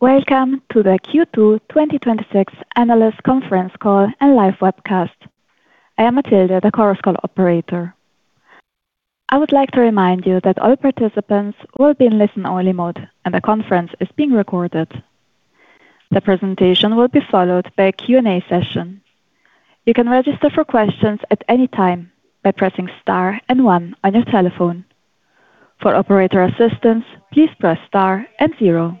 Welcome to the Q2 2026 analyst conference call and live webcast. I am Matilda, the conference call operator. I would like to remind you that all participants will be in listen-only mode, and the conference is being recorded. The presentation will be followed by a Q&A session. You can register for questions at any time by pressing star and one on your telephone. For operator assistance, please press star and zero.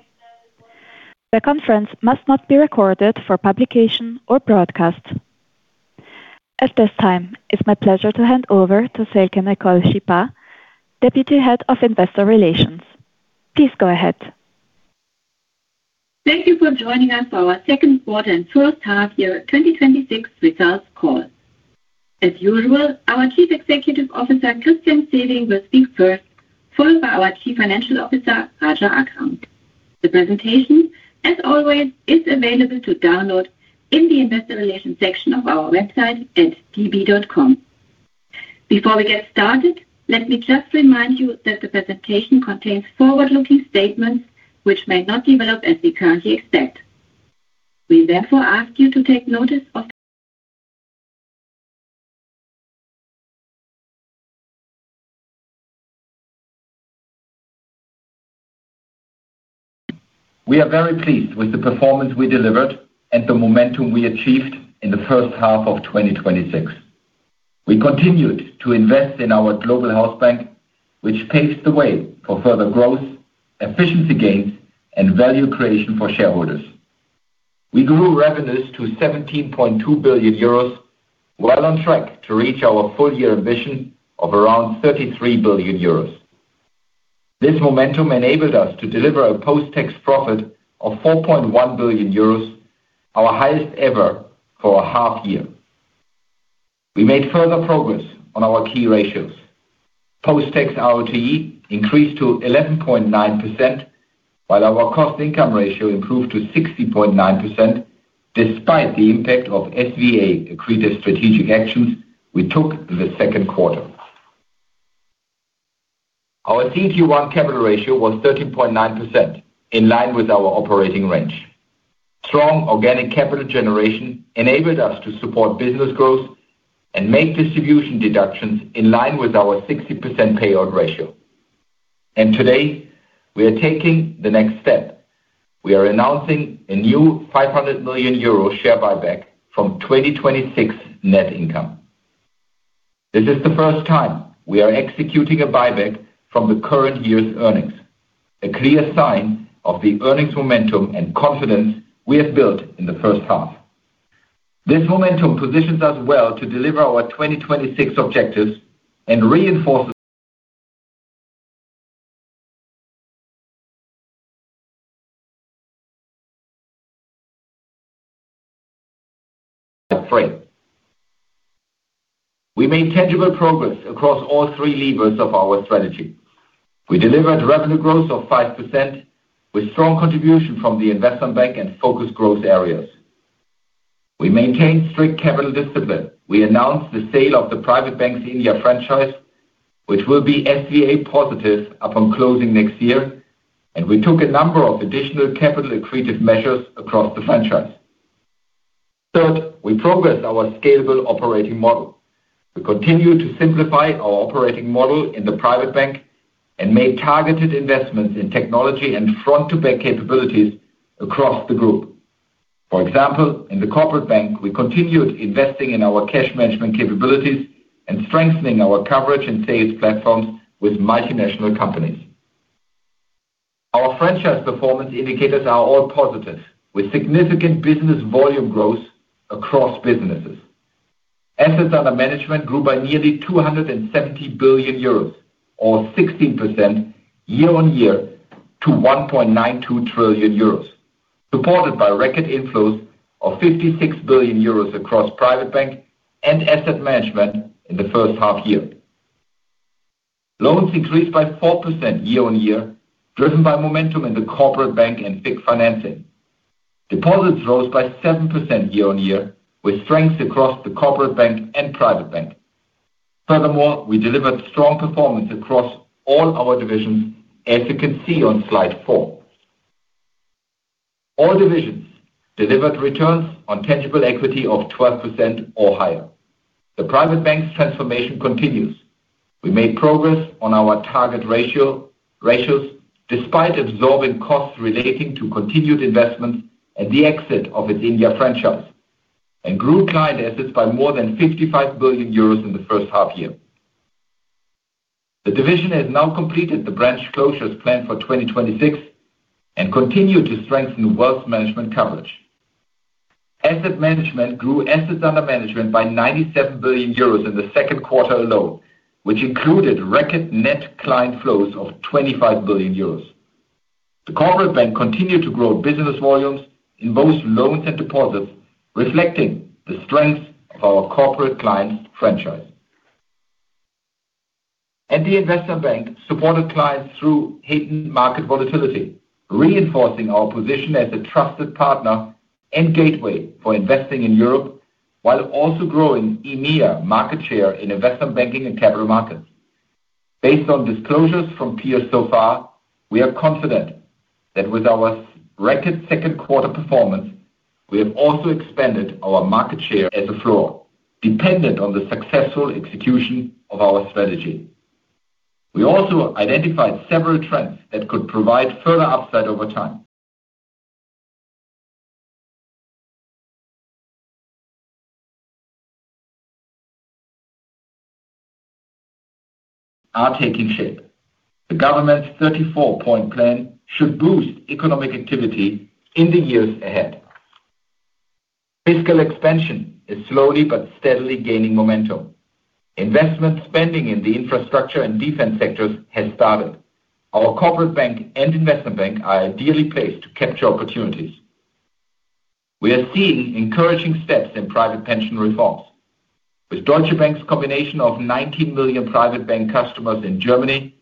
The conference must not be recorded for publication or broadcast. At this time, it's my pleasure to hand over to Silke-Nicole Szypa, Deputy Head of Investor Relations. Please go ahead. Thank you for joining us for our second quarter and first half year 2026 results call. As usual, our Chief Executive Officer, Christian Sewing, will speak first, followed by our Chief Financial Officer, Raja Akram. The presentation, as always, is available to download in the investor relations section of our website at db.com. Before we get started, let me just remind you that the presentation contains forward-looking statements which may not develop as we currently expect. We therefore ask you to take notice of- We are very pleased with the performance we delivered and the momentum we achieved in the first half of 2026. We continued to invest in our global house bank, which paves the way for further growth, efficiency gains, and value creation for shareholders. We grew revenues to 17.2 billion euros, well on track to reach our full-year ambition of around 33 billion euros. This momentum enabled us to deliver a post-tax profit of 4.1 billion euros, our highest ever for a half year. We made further progress on our key ratios. Post-tax ROTE increased to 11.9%, while our cost-income ratio improved to 60.9%, despite the impact of SVA accreted strategic actions we took in the second quarter. Our CET1 capital ratio was 13.9%, in line with our operating range. Strong organic capital generation enabled us to support business growth and make distribution deductions in line with our 60% payout ratio. Today, we are taking the next step. We are announcing a new 500 million euro share buyback from 2026 net income. This is the first time we are executing a buyback from the current year's earnings, a clear sign of the earnings momentum and confidence we have built in the first half. This momentum positions us well to deliver our 2026 objectives and reinforces frame. We made tangible progress across all three levers of our strategy. We delivered revenue growth of 5% with strong contribution from the Investment Bank and focused growth areas. We maintained strict capital discipline. We announced the sale of the Private Bank's India franchise, which will be SVA positive upon closing next year, and we took a number of additional capital accretive measures across the franchise. Third, we progressed our scalable operating model. We continue to simplify our operating model in the Private Bank and make targeted investments in technology and front-to-back capabilities across the group. For example, in the Corporate Bank, we continued investing in our cash management capabilities and strengthening our coverage and sales platforms with multinational companies. Our franchise performance indicators are all positive, with significant business volume growth across businesses. Assets under management grew by nearly 270 billion euros or 16% year-on-year to 1.92 trillion euros, supported by record inflows of 56 billion euros across Private Bank and Asset Management in the first half year. Loans increased by 4% year-on-year, driven by momentum in the Corporate Bank and fixed financing. Deposits rose by 7% year-on-year, with strengths across the Corporate Bank and Private Bank. Furthermore, we delivered strong performance across all our divisions, as you can see on slide four. All divisions delivered returns on tangible equity of 12% or higher. The Private Bank's transformation continues. We made progress on our target ratios, despite absorbing costs relating to continued investments and the exit of its India franchise, and grew client assets by more than 55 billion euros in the first half year. The division has now completed the branch closures planned for 2026 and continued to strengthen wealth management coverage. Asset Management grew assets under management by 97 billion euros in the second quarter alone, which included record net client flows of 25 billion euros. The Corporate Bank continued to grow business volumes in both loans and deposits, reflecting the strength of our corporate clients franchise. The Investment Bank supported clients through heightened market volatility, reinforcing our position as a trusted partner and gateway for investing in Europe, while also growing EMEA market share in investment banking and capital markets. Based on disclosures from peers so far, we are confident that with our record second quarter performance, we have also expanded our market share at the floor, dependent on the successful execution of our strategy. We also identified several trends that could provide further upside over time. Are taking shape. The government's 34-point plan should boost economic activity in the years ahead. Fiscal expansion is slowly but steadily gaining momentum. Investment spending in the infrastructure and defense sectors has started. Our Corporate Bank and Investment Bank are ideally placed to capture opportunities. We are seeing encouraging steps in private pension reforms. With Deutsche Bank's combination of 19 million Private Bank customers in Germany,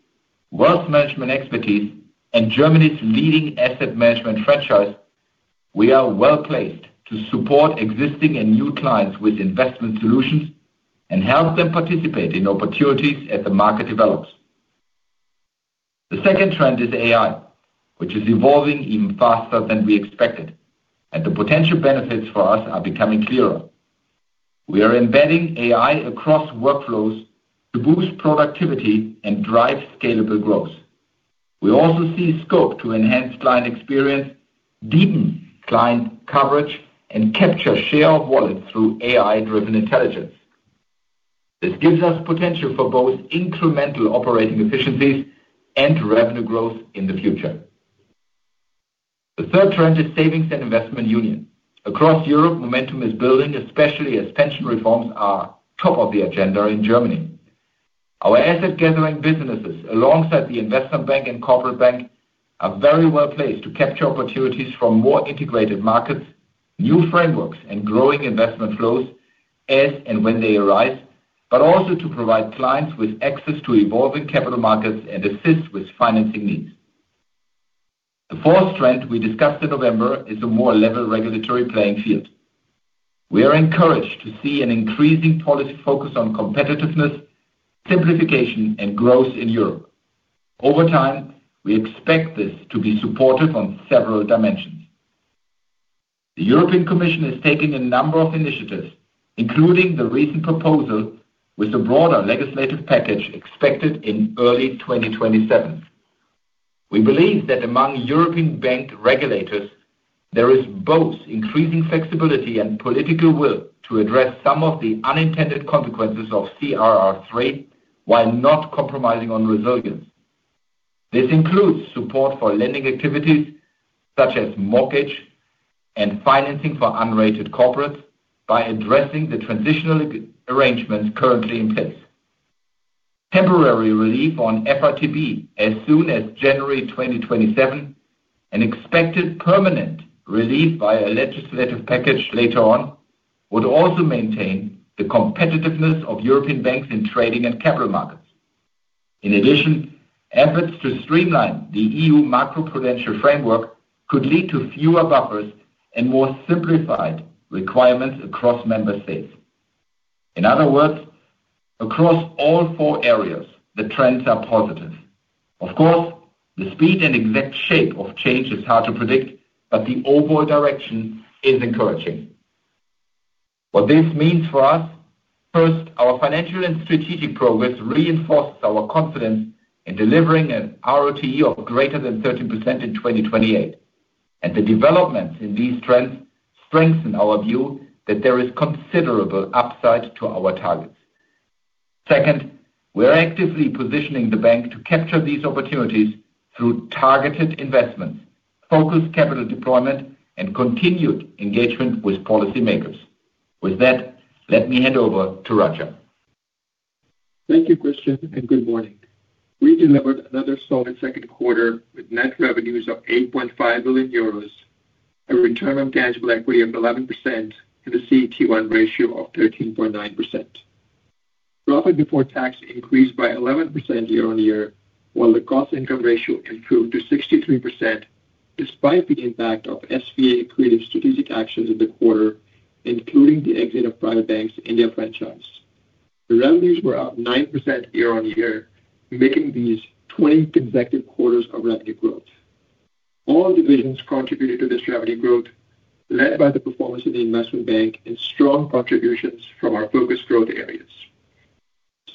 wealth management expertise, and Germany's leading Asset Management franchise, we are well-placed to support existing and new clients with investment solutions and help them participate in opportunities as the market develops. The second trend is AI, which is evolving even faster than we expected, and the potential benefits for us are becoming clearer. We are embedding AI across workflows to boost productivity and drive scalable growth. We also see scope to enhance client experience, deepen client coverage, and capture share of wallet through AI-driven intelligence. This gives us potential for both incremental operating efficiencies and revenue growth in the future. The third trend is Savings and Investment Union. Across Europe, momentum is building, especially as pension reforms are top of the agenda in Germany. Our asset gathering businesses, alongside the Investment Bank and Corporate Bank, are very well-placed to capture opportunities from more integrated markets, new frameworks, and growing investment flows as and when they arise, but also to provide clients with access to evolving capital markets and assist with financing needs. The fourth trend we discussed in November is a more level regulatory playing field. We are encouraged to see an increasing policy focus on competitiveness, simplification, and growth in Europe. Over time, we expect this to be supported on several dimensions. The European Commission is taking a number of initiatives, including the recent proposal with a broader legislative package expected in early 2027. We believe that among European Bank regulators, there is both increasing flexibility and political will to address some of the unintended consequences of CRR3 while not compromising on resilience. This includes support for lending activities such as mortgage and financing for unrated corporates by addressing the transitional arrangements currently in place. Temporary relief on FRTB as soon as January 2027 and expected permanent relief via a legislative package later on would also maintain the competitiveness of European banks in trading and capital markets. In addition, efforts to streamline the EU macroprudential framework could lead to fewer buffers and more simplified requirements across member states. In other words, across all four areas, the trends are positive. Of course, the speed and exact shape of change is hard to predict, but the overall direction is encouraging. What this means for us, first, our financial and strategic progress reinforces our confidence in delivering an ROTE of greater than 13% in 2028, and the developments in these trends strengthen our view that there is considerable upside to our targets. Second, we are actively positioning the bank to capture these opportunities through targeted investments, focused capital deployment, and continued engagement with policymakers. With that, let me hand over to Raja. Thank you, Christian, and good morning. We delivered another solid second quarter with net revenues of 8.5 billion euros, a return on tangible equity of 11%, and a CET1 ratio of 13.9%. Profit before tax increased by 11% year-on-year, while the cost-income ratio improved to 63% despite the impact of SVA-related strategic actions in the quarter, including the exit of Private Bank's India franchise. Revenues were up 9% year-on-year, making these 20 consecutive quarters of revenue growth. All divisions contributed to this revenue growth, led by the performance of the Investment Bank and strong contributions from our focused growth areas.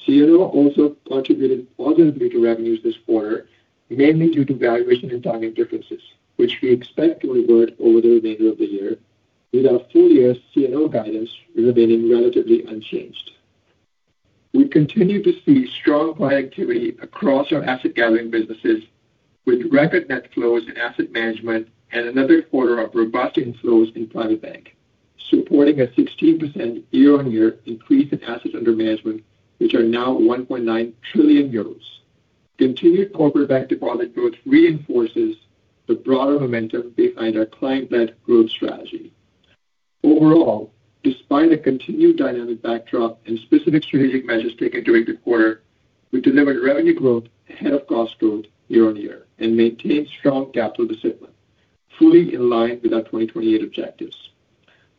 C&O also contributed positively to revenues this quarter, mainly due to valuation and timing differences, which we expect to revert over the remainder of the year, with our full-year C&O guidance remaining relatively unchanged. We continue to see strong client activity across our asset gathering businesses, with record net flows in Asset Management and another quarter of robust inflows in Private Bank, supporting a 16% year-on-year increase in assets under management, which are now 1.9 trillion euros. Continued Corporate Bank deposit growth reinforces the broader momentum behind our client-led growth strategy. Overall, despite a continued dynamic backdrop and specific strategic measures taken during the quarter, we delivered revenue growth ahead of cost growth year-on-year and maintained strong capital discipline fully in line with our 2028 objectives.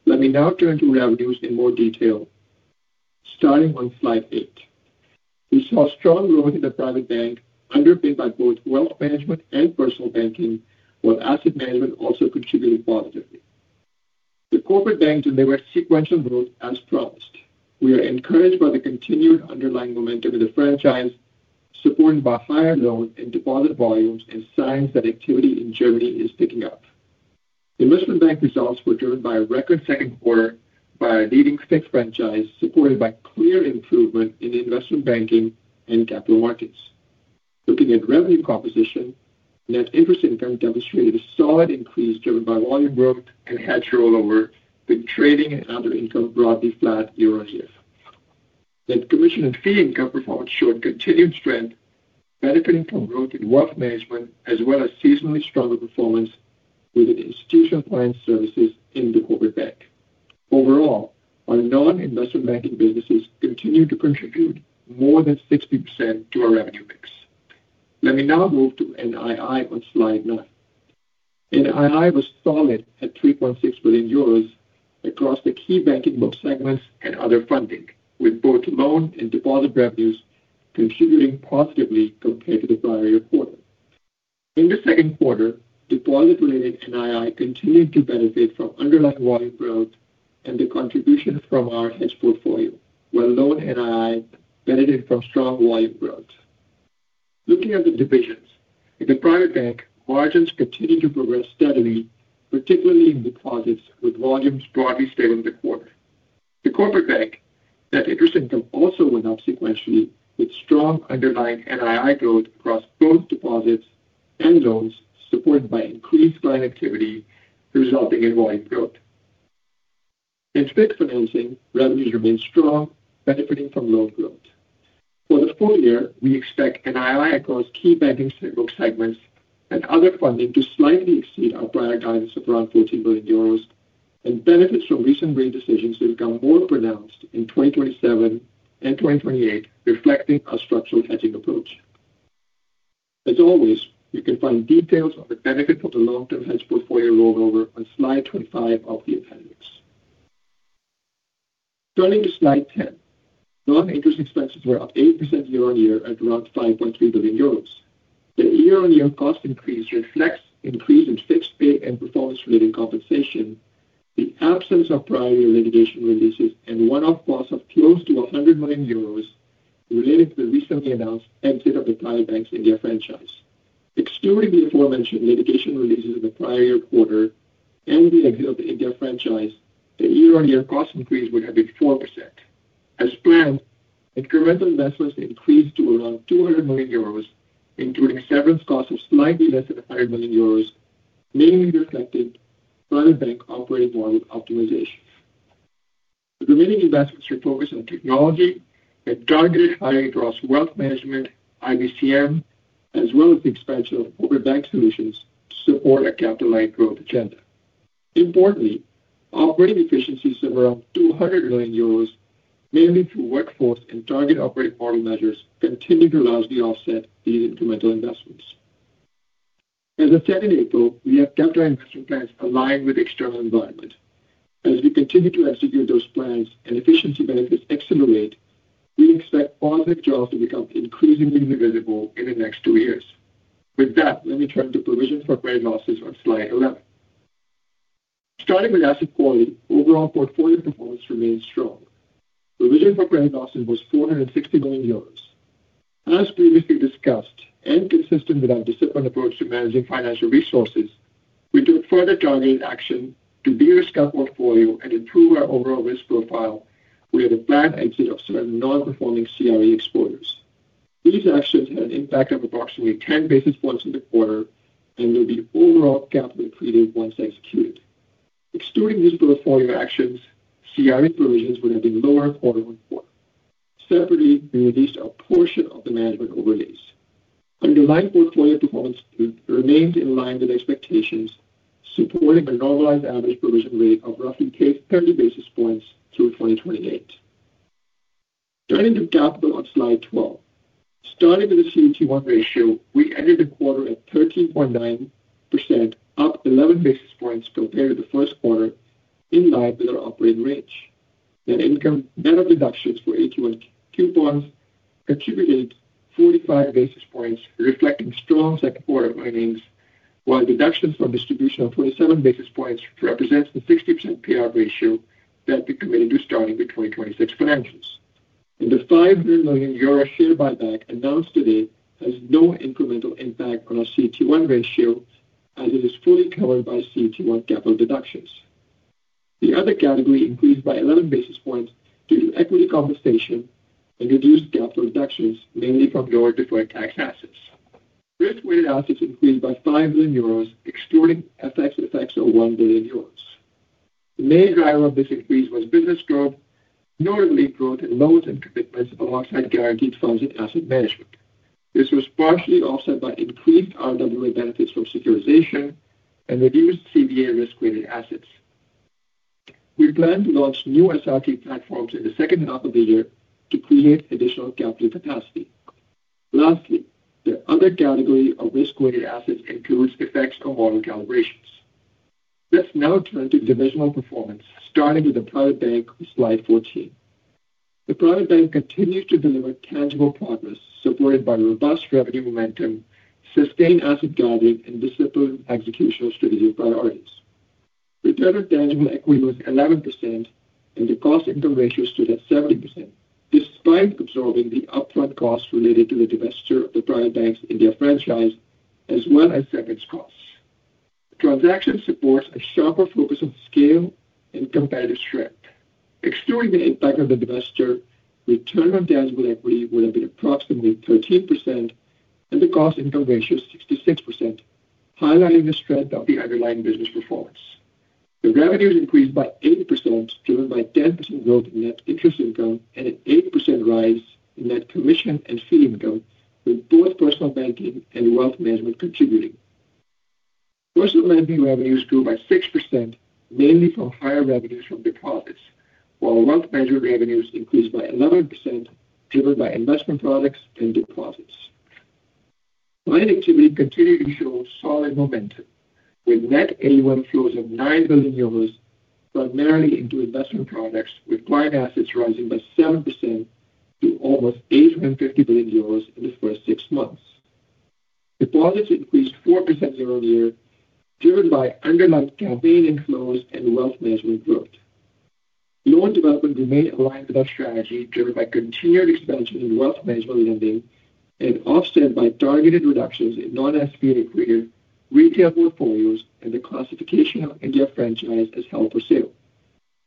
Let me now turn to revenues in more detail, starting on slide eight. We saw strong growth in the Private Bank, underpinned by both wealth management and personal banking, while Asset Management also contributed positively. The Corporate Bank delivered sequential growth as promised. We are encouraged by the continued underlying momentum of the franchise, supported by higher loans and deposit volumes and signs that activity in Germany is picking up. Investment Bank results were driven by a record second quarter by our leading FICC franchise, supported by clear improvement in investment banking and capital markets. Looking at revenue composition, Net Interest Income demonstrated a solid increase driven by volume growth and hedge rollover, with trading and other income broadly flat year-on-year. Net Commission and Fee Income performance showed continued strength, benefiting from growth in wealth management as well as seasonally stronger performance within Institutional Client Services in the Corporate Bank. Overall, our non-investment banking businesses continue to contribute more than 60% to our revenue mix. Let me now move to NII on slide nine. NII was solid at 3.6 billion euros across the key banking book segments and other funding, with both loan and deposit revenues contributing positively compared to the prior-year quarter. In the second quarter, deposit-related NII continued to benefit from underlying volume growth and the contribution from our hedge portfolio, where loan NII benefited from strong volume growth. Looking at the divisions, in the Private Bank, margins continued to progress steadily, particularly in deposits with volumes broadly steady in the quarter. The Corporate Bank, Net Interest Income also went up sequentially, with strong underlying NII growth across both deposits and loans, supported by increased client activity resulting in volume growth. In FICC financing, revenues remained strong, benefiting from loan growth. For the full year, we expect NII across key banking book segments and other funding to slightly exceed our prior guidance of around 14 billion euros, and benefits from recent rate decisions will become more pronounced in 2027 and 2028, reflecting our structural hedging approach. As always, you can find details on the benefit of the long-term hedge portfolio rollover on slide 25 of the appendix. Turning to slide 10. Non-Interest Expenses were up 8% year-on-year at around 5.3 billion euros. The year-on-year cost increase reflects increase in fixed pay and performance-related compensation, the absence of prior-year litigation releases and one-off costs of close to 100 million euros related to the recently announced exit of the Private Bank's India franchise. Excluding the aforementioned litigation releases in the prior-year quarter and the exit of the India franchise, the year-on-year cost increase would have been 4%. As planned, incremental investments increased to around 200 million euros, including severance costs of slightly less than 500 million euros, mainly reflected by the Bank operating model optimization. The remaining investments are focused on technology and targeted hiring across wealth management, IBCM, as well as the expansion of Corporate Bank solutions to support our capital light growth agenda. Importantly, operating efficiencies of around 200 million euros, mainly through workforce and target operating model measures, continue to largely offset these incremental investments. As I said in April, we have capital investment plans aligned with the external environment. As we continue to execute those plans and efficiency benefits accelerate, we expect positive jobs to become increasingly visible in the next two years. With that, let me turn to Provisions for Credit Losses on slide 11. Starting with asset quality, overall portfolio performance remains strong. Provision for Credit Losses was 460 million euros. As previously discussed and consistent with our disciplined approach to managing financial resources, we took further targeted action to de-risk our portfolio and improve our overall risk profile with a planned exit of certain non-performing CRE exposures. These actions had an impact of approximately 10 basis points in the quarter and will be overall capital accretive once executed. Excluding these portfolio actions, CRE provisions would have been lower quarter-on-quarter. Separately, we released a portion of the management overlays. Underlying portfolio performance remained in line with expectations, supporting a normalized average provision rate of roughly 30 basis points through 2028. Turning to capital on slide 12. Starting with the CET1 ratio, we ended the quarter at 13.9%, up 11 basis points compared to the first quarter, in line with our operating range. Net income, net of deductions for AT1 coupons, accumulated 45 basis points, reflecting strong second quarter earnings, while deductions from distribution of 27 basis points represents the 60% payout ratio that we committed to starting with 2026 financials. The 500 million euro share buyback announced today has no incremental impact on our CET1 ratio as it is fully covered by CET1 capital deductions. The other category increased by 11 basis points due to equity compensation and reduced capital reductions, mainly from lower deferred tax assets. Risk-weighted assets increased by 5 billion euros, excluding FX effects of 1 billion euros. The main driver of this increase was business growth, notably growth in loans and commitments alongside guaranteed funds and asset management. This was partially offset by increased RWA benefits from securitization and reduced CVA risk-weighted assets. We plan to launch new SRT platforms in the second half of the year to create additional capital capacity. Lastly, the other category of risk-weighted assets includes effects on model calibrations. Let's now turn to divisional performance, starting with the Private Bank on slide 14. The Private Bank continues to deliver tangible progress supported by robust revenue momentum, sustained asset guiding, and disciplined execution of strategic priorities. Return on tangible equity was 11%, and the cost-income ratio stood at 70%, despite absorbing the upfront costs related to the divesture of the Private Bank's India franchise, as well as Segments costs. The transaction supports a sharper focus on scale and competitive strength. Excluding the impact of the divesture, return on tangible equity would have been approximately 13% and the cost-income ratio 66%, highlighting the strength of the underlying business performance. Revenues increased by 8%, driven by 10% growth in net interest income and an 8% rise in net commission and fee income, with both personal banking and wealth management contributing. Personal lending revenues grew by 6%, mainly from higher revenues from deposits, while wealth management revenues increased by 11%, driven by investment products and deposits. Client activity continued to show solid momentum, with net AUM flows of 9 billion euros, primarily into investment products, with client assets rising by 7% to almost 850 billion euros in the first six months. Deposits increased 4% year-over-year, driven by underlying campaign inflows and wealth management growth. Loan development remained aligned with our strategy, driven by continued expansion in wealth management lending and offset by targeted reductions in non-SBA-accredited retail portfolios and the classification of India franchise as held for sale.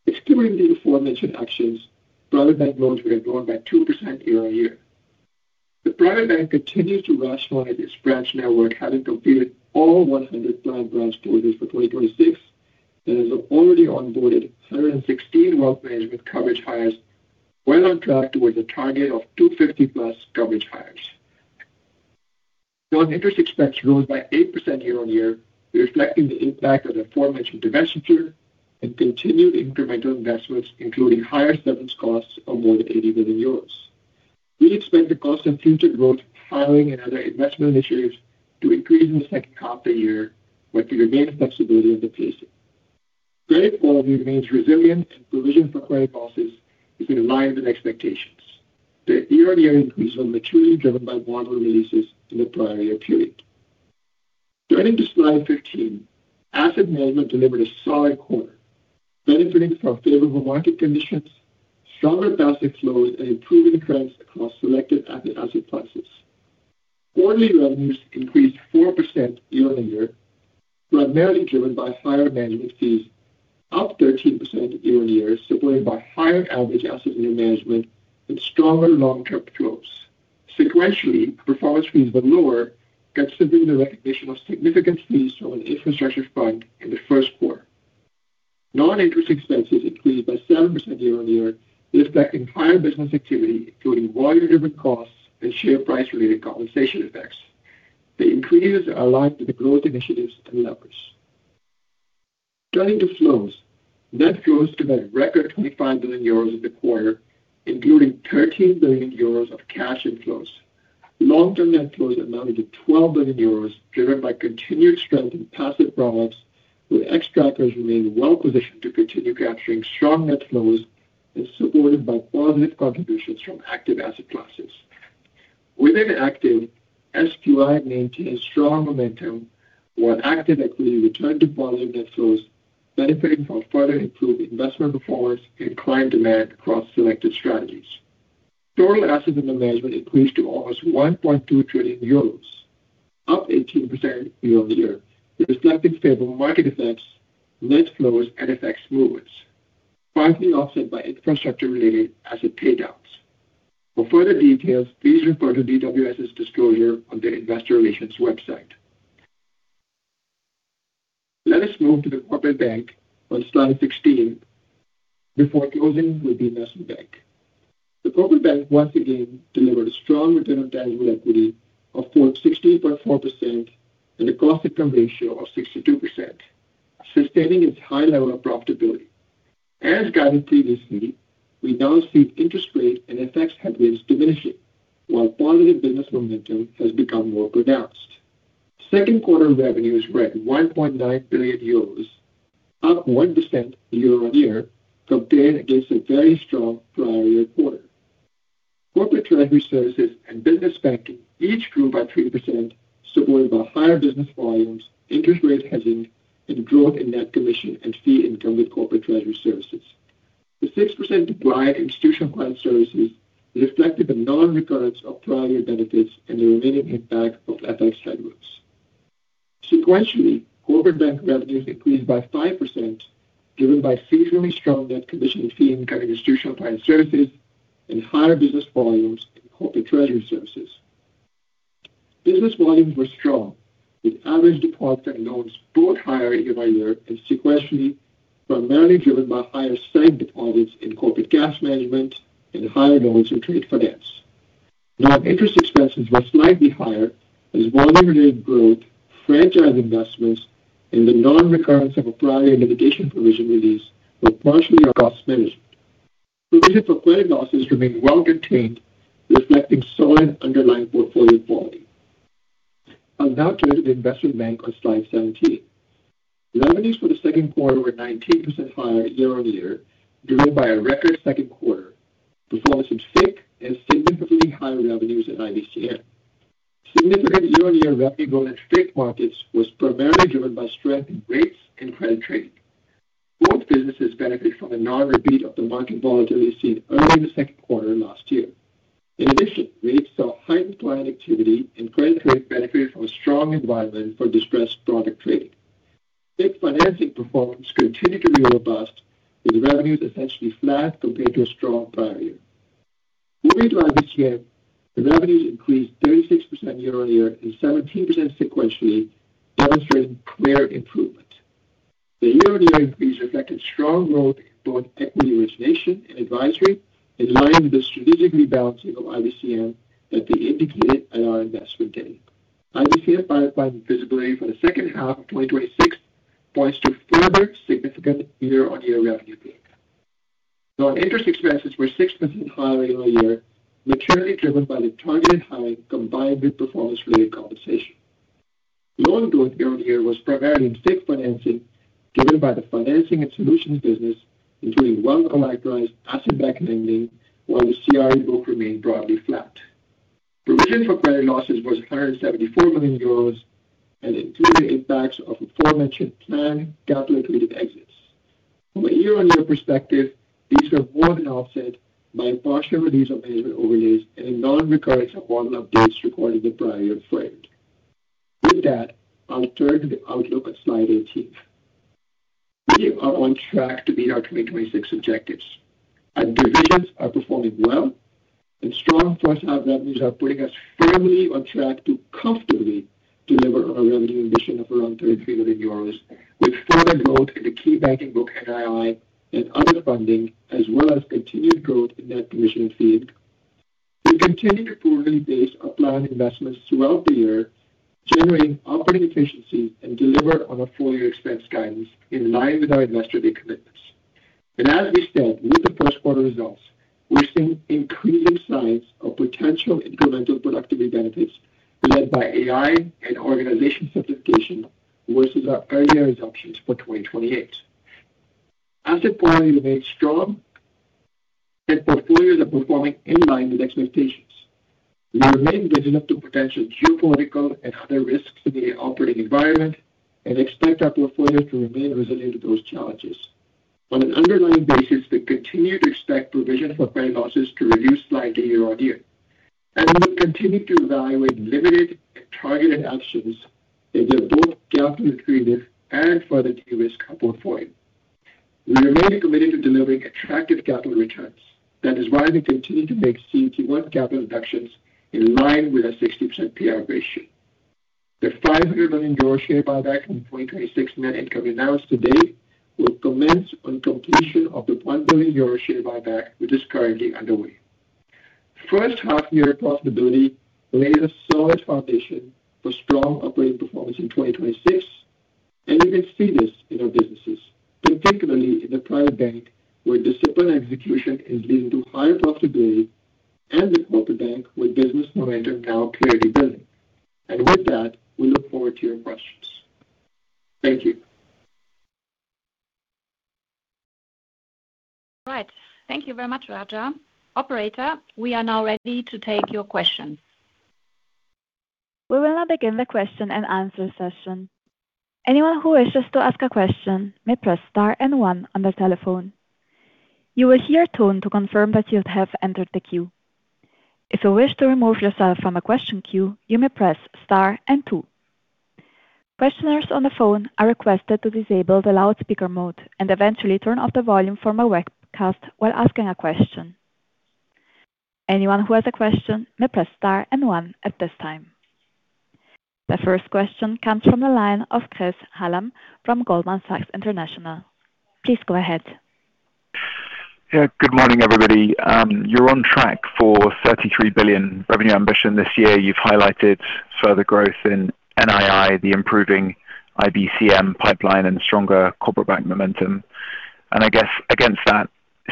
Excluding the aforementioned actions, Private Bank loans would have grown by 2% year-over-year. The Private Bank continues to rationalize its branch network, having completed all 100 planned branch closures for 2026 and has already onboarded 116 wealth management coverage hires, well on track towards a target of 250+ coverage hires. Non-interest expense rose by 8% year-over-year, reflecting the impact of the aforementioned divestiture and continued incremental investments, including higher Segments costs of more than 80 million euros. We expect the cost of future growth, hiring, and other investment initiatives to increase in the second half of the year, but we remain flexible in the pacing. Credit quality remains resilient and Provision for Credit Losses has been in line with expectations. The year-over-year increase was materially driven by one-time releases in the prior year period. Turning to slide 15, Asset Management delivered a solid quarter, benefiting from favorable market conditions, stronger passive flows, and improving trends across selected active asset classes. Quarterly revenues increased 4% year-on-year, primarily driven by higher management fees, up 13% year-on-year, supported by higher average assets under management and stronger long-term flows. Sequentially, performance fees were lower, considering the recognition of significant fees from an infrastructure fund in the first quarter. Non-interest expenses increased by 7% year-on-year, reflecting higher business activity, including volume-driven costs and share price related compensation effects. The increase is aligned with the growth initiatives and levers. Turning to flows, net flows hit a record 25 billion euros in the quarter, including 13 billion euros of cash inflows. Long-term net flows amounted to 12 billion euros, driven by continued strength in passive products, with Xtrackers remaining well-positioned to continue capturing strong net flows and supported by positive contributions from active asset classes. Within active, SQI maintained strong momentum, while active equity returned to positive net flows, benefiting from further improved investment performance and client demand across selected strategies. Total assets under management increased to almost 1.2 trillion euros, up 18% year-over-year, reflecting favorable market effects, net flows, and FX movements, partly offset by infrastructure-related asset paydowns. For further details, please refer to DWS's disclosure on their investor relations website. Let us move to the Corporate Bank on slide 16 before closing with the Investment Bank. The Corporate Bank once again delivered a strong return on tangible equity of 16.4% and a cost-income ratio of 62%, sustaining its high level of profitability. As guided previously, we now see interest rate and FX headwinds diminishing while positive business momentum has become more pronounced. Second quarter revenues were at 1.9 billion euros, up 1% year-over-year, compared against a very strong prior year quarter. Corporate Treasury Services and Business Banking each grew by 30%, supported by higher business volumes, interest rate hedging, and growth in net commission and fee income with Corporate Treasury Services. The 6% decline in Institutional Client Services reflected the non-recurrence of prior year benefits and the remaining impact of FX headwinds. Sequentially, Corporate Bank revenues increased by 5%, driven by seasonally strong net commission and fee income in Institutional Client Services and higher business volumes in Corporate Treasury Services. Business volumes were strong, with average deposits and loans both higher year-over-year and sequentially, primarily driven by higher segment deposits in Corporate Cash Management and higher loans in Trade Finance. Non-interest expenses were slightly higher as volume-related growth, franchise investments, and the non-recurrence of a prior year litigation provision release were partially cost managed. Provision for Credit Losses remain well contained, reflecting solid underlying portfolio quality. I'll now turn to the Investment Bank on slide 17. Revenues for the second quarter were 19% higher year-over-year, driven by a record second quarter performance in FICC and significantly higher revenues at IBCM. Significant year-on-year revenue growth in FICC markets was primarily driven by strength in rates and credit trading. Both businesses benefit from the non-repeat of the market volatility seen early in the second quarter last year. In addition, rates saw heightened client activity and credit trades benefited from a strong environment for distressed product trading. FICC financing performance continued to be robust, with revenues essentially flat compared to a strong prior year. Moving to IBCM, the revenues increased 36% year-over-year and 17% sequentially, demonstrating clear improvement. The year-over-year increase reflected strong growth in both equity origination and advisory, in line with the strategic rebalancing of IBCM that we indicated at our Investor Day. IBCM pipeline visibility for the second half of 2026 points to further significant year-on-year revenue growth. Non-interest expenses were 6% higher year-over-year, materially driven by the targeted hiring combined with performance-related compensation. Loan growth year-over-year was primarily in FICC financing, driven by the financing and solutions business, including well-characterized asset-backed lending, while the CRI book remained broadly flat. Provision for Credit Losses was 174 million euros and included the impacts of aforementioned planned capital accretive exits. From a year-on-year perspective, these were more than offset by a partial release of management overlays and a non-recurring sub-model updates recorded the prior frame. With that, I'll turn to the outlook on slide 18. We are on track to meet our 2026 objectives. Our divisions are performing well, and strong first half revenues are putting us firmly on track to comfortably deliver on our revenue ambition of around 33 billion euros, with further growth in the key banking book NII and other funding, as well as continued growth in net commission and fee income. We continue to prudently pace our planned investments throughout the year, generating operating efficiencies and deliver on a full year expense guidance in line with our Investor Day commitments. As we said with the first quarter results, we are seeing increasing signs of potential incremental productivity benefits led by AI and organization simplification versus our earlier assumptions for 2028. Asset quality remains strong, and portfolios are performing in line with expectations. We remain vigilant to potential geopolitical and other risks to the operating environment and expect our portfolios to remain resilient to those challenges. On an underlying basis, we continue to expect Provision for Credit Losses to reduce slightly year-on-year. We will continue to evaluate limited and targeted actions that are both capital accretive and further de-risk our portfolio. We remain committed to delivering attractive capital returns. That is why we continue to make CET1 capital reductions in line with a 60% PR ratio. The EUR 500 million share buyback in the 2026 net income announced today will commence on completion of the 1 billion euro share buyback, which is currently underway. First half year profitability laid a solid foundation for strong operating performance in 2026, and you can see this in our businesses, particularly in the Private Bank, where disciplined execution is leading to higher profitability, and the Corporate Bank, where business momentum now clearly building. With that, we look forward to your questions. Thank you. Right. Thank you very much, Raja. Operator, we are now ready to take your questions. We will now begin the question and answer session. Anyone who wishes to ask a question may press star and one on their telephone. You will hear a tone to confirm that you have entered the queue. If you wish to remove yourself from a question queue, you may press star and two. Questioners on the phone are requested to disable the loudspeaker mode and eventually turn off the volume from a webcast while asking a question. Anyone who has a question may press star and one at this time. The first question comes from the line of Chris Hallam from Goldman Sachs International. Please go ahead. Yeah. Good morning, everybody. You're on track for 33 billion revenue ambition this year. You've highlighted further growth in NII, the improving IBCM pipeline, and stronger Corporate Bank momentum. I guess against that,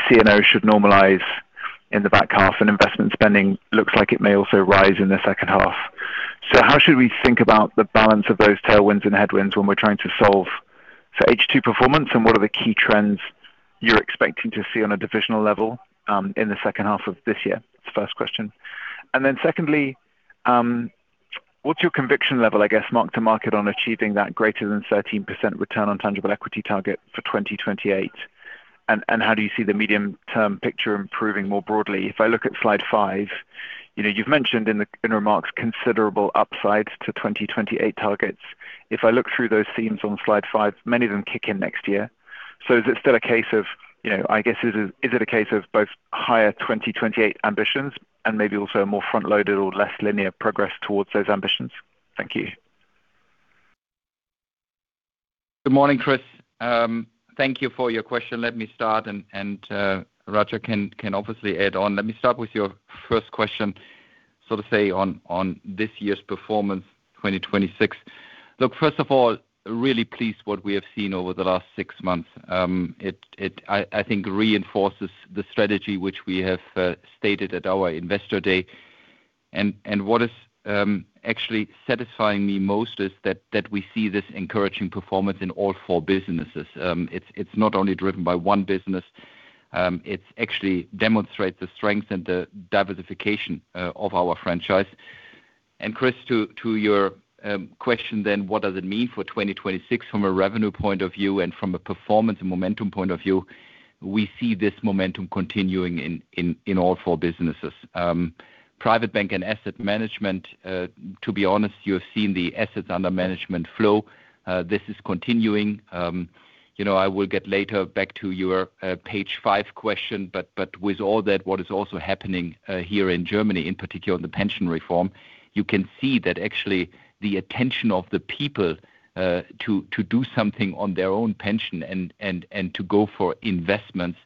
C&O should normalize in the back half and investment spending looks like it may also rise in the second half. How should we think about the balance of those tailwinds and headwinds when we're trying to solve for H2 performance? What are the key trends you're expecting to see on a divisional level, in the second half of this year? It's the first question. Then secondly, what's your conviction level, I guess, mark to market, on achieving that greater than 13% return on tangible equity target for 2028? How do you see the medium-term picture improving more broadly? If I look at slide five, you've mentioned in remarks considerable upsides to 2028 targets. If I look through those themes on slide five, many of them kick in next year. Is it still a case of both higher 2028 ambitions and maybe also a more front-loaded or less linear progress towards those ambitions? Thank you. Good morning, Chris. Thank you for your question. Let me start, Raja can obviously add on. Let me start with your first question. To say on this year's performance, 2026. Look, first of all, really pleased what we have seen over the last six months. It, I think, reinforces the strategy which we have stated at our Investor Day. What is actually satisfying me most is that we see this encouraging performance in all four businesses. It's not only driven by one business. It actually demonstrates the strength and the diversification of our franchise. Chris, to your question then, what does it mean for 2026 from a revenue point of view and from a performance and momentum point of view? We see this momentum continuing in all four businesses. Private Bank and Asset Management, to be honest, you have seen the assets under management flow. This is continuing. I will get later back to your page five question, with all that, what is also happening here in Germany, in particular the pension reform, you can see that actually the attention of the people to do something on their own pension and to go for investments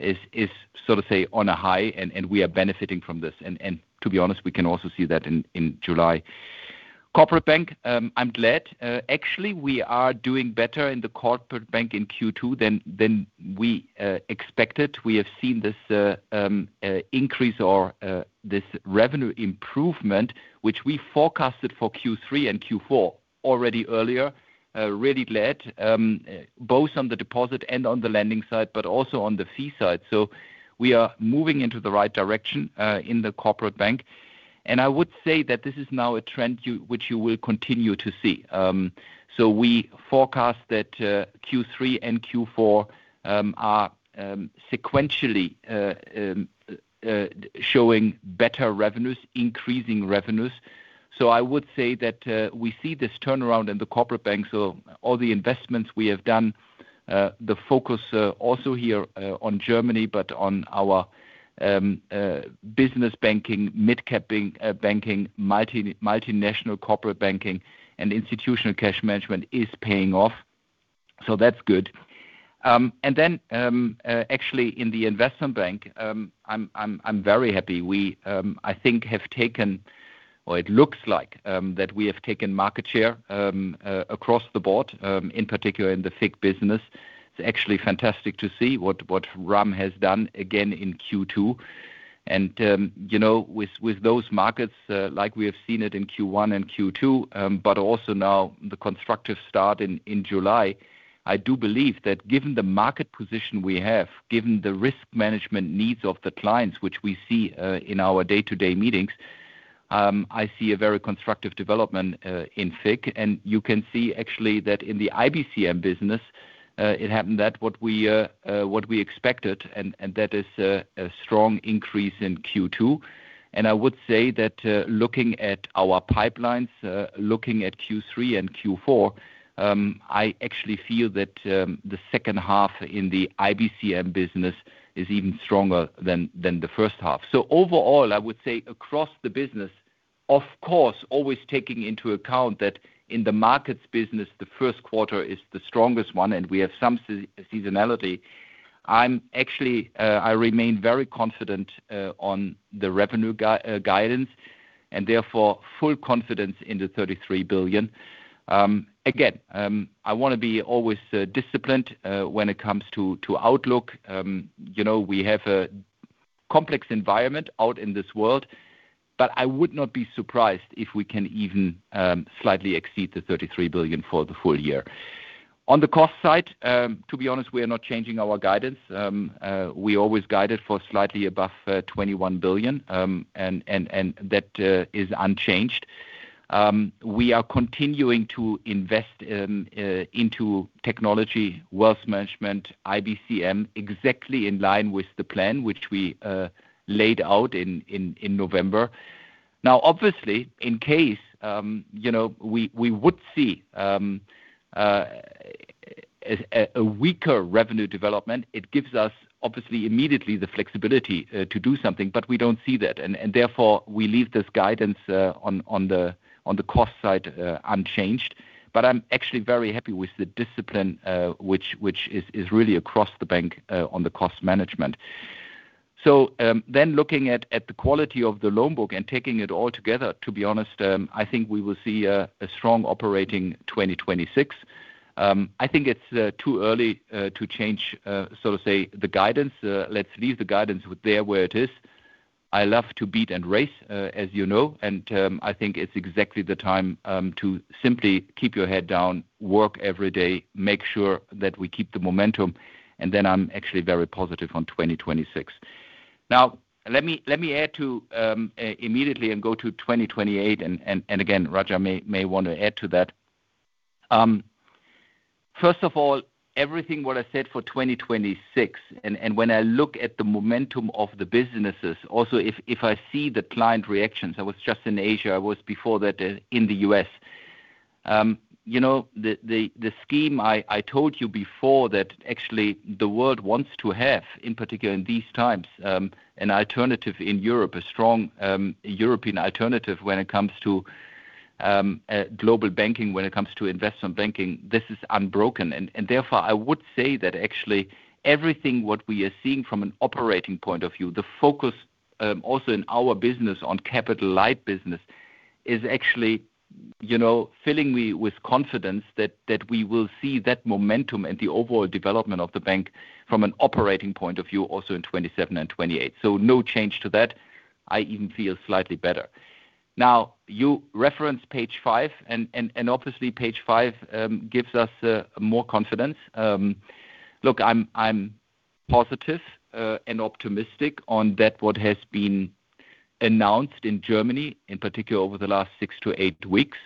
is, to say, on a high, we are benefiting from this. To be honest, we can also see that in July. Corporate Bank, I'm glad. Actually, we are doing better in the Corporate Bank in Q2 than we expected. We have seen this increase or this revenue improvement, which we forecasted for Q3 and Q4 already earlier, really led, both on the deposit and on the lending side, also on the fee side. We are moving into the right direction, in the Corporate Bank. I would say that this is now a trend which you will continue to see. We forecast that Q3 and Q4 are sequentially showing better revenues, increasing revenues. I would say that we see this turnaround in the Corporate Bank. All the investments we have done, the focus also here on Germany, but on our Business Banking, mid-cap banking, multinational Corporate Banking, and Institutional Cash Management is paying off. That's good. Then, actually in the Investment Bank, I'm very happy. We, I think have taken or it looks like that we have taken market share across the board, in particular in the FICC business. It's actually fantastic to see what Ram has done again in Q2. With those markets, like we have seen it in Q1 and Q2, but also now the constructive start in July. I do believe that given the market position we have, given the risk management needs of the clients, which we see in our day-to-day meetings, I see a very constructive development in FICC. You can see actually that in the IBCM business, it happened that what we expected, and that is a strong increase in Q2. I would say that looking at our pipelines, looking at Q3 and Q4, I actually feel that the second half in the IBCM business is even stronger than the first half. Overall, I would say across the business, of course, always taking into account that in the Markets business, the first quarter is the strongest one and we have some seasonality. Actually, I remain very confident on the revenue guidance and therefore full confidence in the 33 billion. I want to be always disciplined when it comes to outlook. We have a complex environment out in this world, I would not be surprised if we can even slightly exceed the 33 billion for the full year. On the cost side, to be honest, we are not changing our guidance. We always guided for slightly above 21 billion, and that is unchanged. We are continuing to invest into technology, Wealth Management, IBCM, exactly in line with the plan which we laid out in November. Obviously, in case we would see a weaker revenue development, it gives us obviously immediately the flexibility to do something, but we don't see that, and therefore we leave this guidance on the cost side unchanged. I'm actually very happy with the discipline, which is really across the bank on the cost management. Then looking at the quality of the loan book and taking it all together, to be honest, I think we will see a strong operating 2026. I think it's too early to change, so to say, the guidance. Let's leave the guidance there where it is. I love to beat and race, as you know, and I think it's exactly the time to simply keep your head down, work every day, make sure that we keep the momentum, and then I'm actually very positive on 2026. Let me add to immediately and go to 2028, and again, Raja may want to add to that. Everything what I said for 2026, and when I look at the momentum of the businesses, also if I see the client reactions, I was just in Asia, I was before that in the U.S. The scheme I told you before that actually the world wants to have, in particular in these times, an alternative in Europe, a strong European alternative when it comes to Global Banking, when it comes to investment banking, this is unbroken. Therefore, I would say that actually everything what we are seeing from an operating point of view, the focus also in our business on capital light business is actually filling me with confidence that we will see that momentum and the overall development of the bank from an operating point of view also in 2027 and 2028. No change to that. I even feel slightly better. You referenced page five and obviously page five gives us more confidence. I'm positive and optimistic on that what has been announced in Germany in particular over the last six to eight weeks.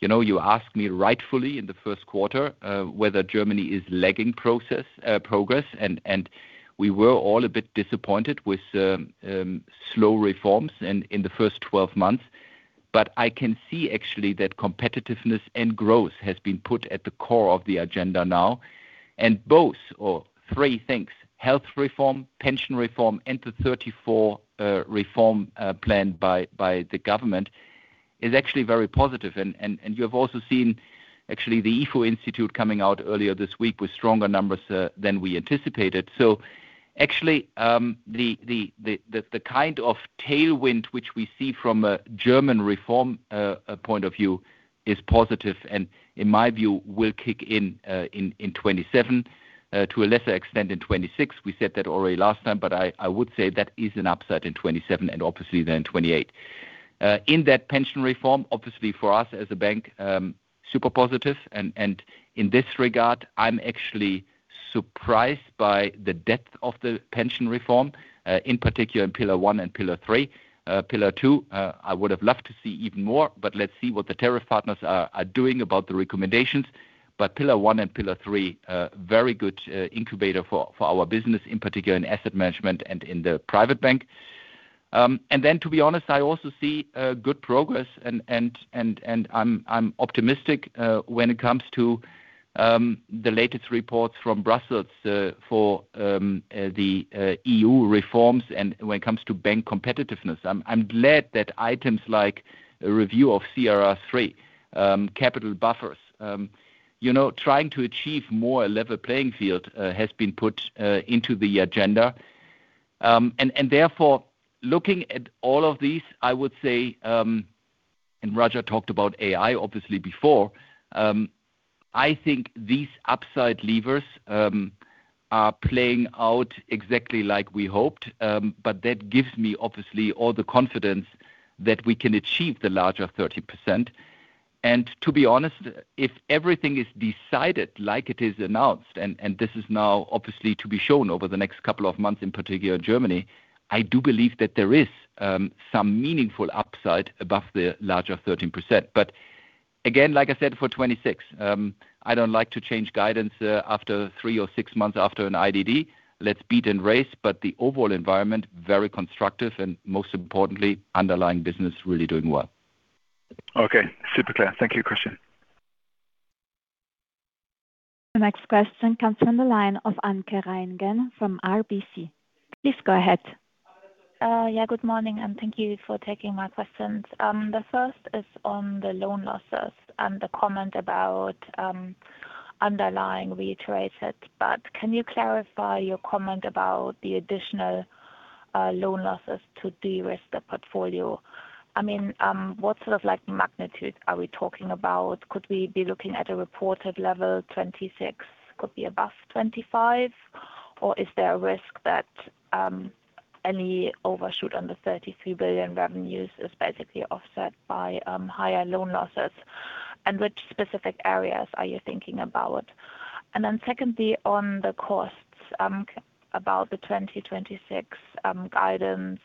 You asked me rightfully in the first quarter, whether Germany is lagging progress, and we were all a bit disappointed with slow reforms in the first 12 months. I can see actually that competitiveness and growth has been put at the core of the agenda now. Both or three things, health reform, pension reform, and the 34 reform planned by the government is actually very positive. You have also seen actually the Ifo Institute coming out earlier this week with stronger numbers than we anticipated. Actually, the kind of tailwind which we see from a German reform point of view is positive and in my view will kick in in 2027, to a lesser extent in 2026. We said that already last time, but I would say that is an upside in 2027 and obviously then 2028. In that pension reform, obviously for us as a bank, super positive and in this regard, I'm actually surprised by the depth of the pension reform, in particular in pillar 1 and pillar 3. Pillar 2, I would have loved to see even more, but let's see what the tariff partners are doing about the recommendations. Pillar 1 and pillar 3, very good incubator for our business, in particular in Asset Management and in the Private Bank. Then to be honest, I also see good progress and I'm optimistic when it comes to the latest reports from Brussels for the EU reforms and when it comes to bank competitiveness. I'm glad that items like a review of CRR3, capital buffers, trying to achieve more a level playing field, has been put into the agenda. Therefore, looking at all of these, I would say, Raja talked about AI obviously before, I think these upside levers are playing out exactly like we hoped. That gives me obviously all the confidence that we can achieve the larger 13%. To be honest, if everything is decided like it is announced, and this is now obviously to be shown over the next couple of months in particular in Germany, I do believe that there is some meaningful upside above the larger 13%. Again, like I said for 2026, I don't like to change guidance after three or six months after an IDD. Let's beat and race, the overall environment, very constructive and most importantly, underlying business really doing well. Okay. Super clear. Thank you, Christian. The next question comes from the line of Anke Reingen from RBC. Please go ahead. Yeah, good morning, and thank you for taking my questions. The first is on the loan losses and the comment about underlying reiterated. Can you clarify your comment about the additional loan losses to de-risk the portfolio? What sort of magnitude are we talking about? Could we be looking at a reported level 2026 could be above 2025? Is there a risk that any overshoot under 33 billion revenues is basically offset by higher loan losses? Which specific areas are you thinking about? Secondly, on the costs, about the 2026 guidance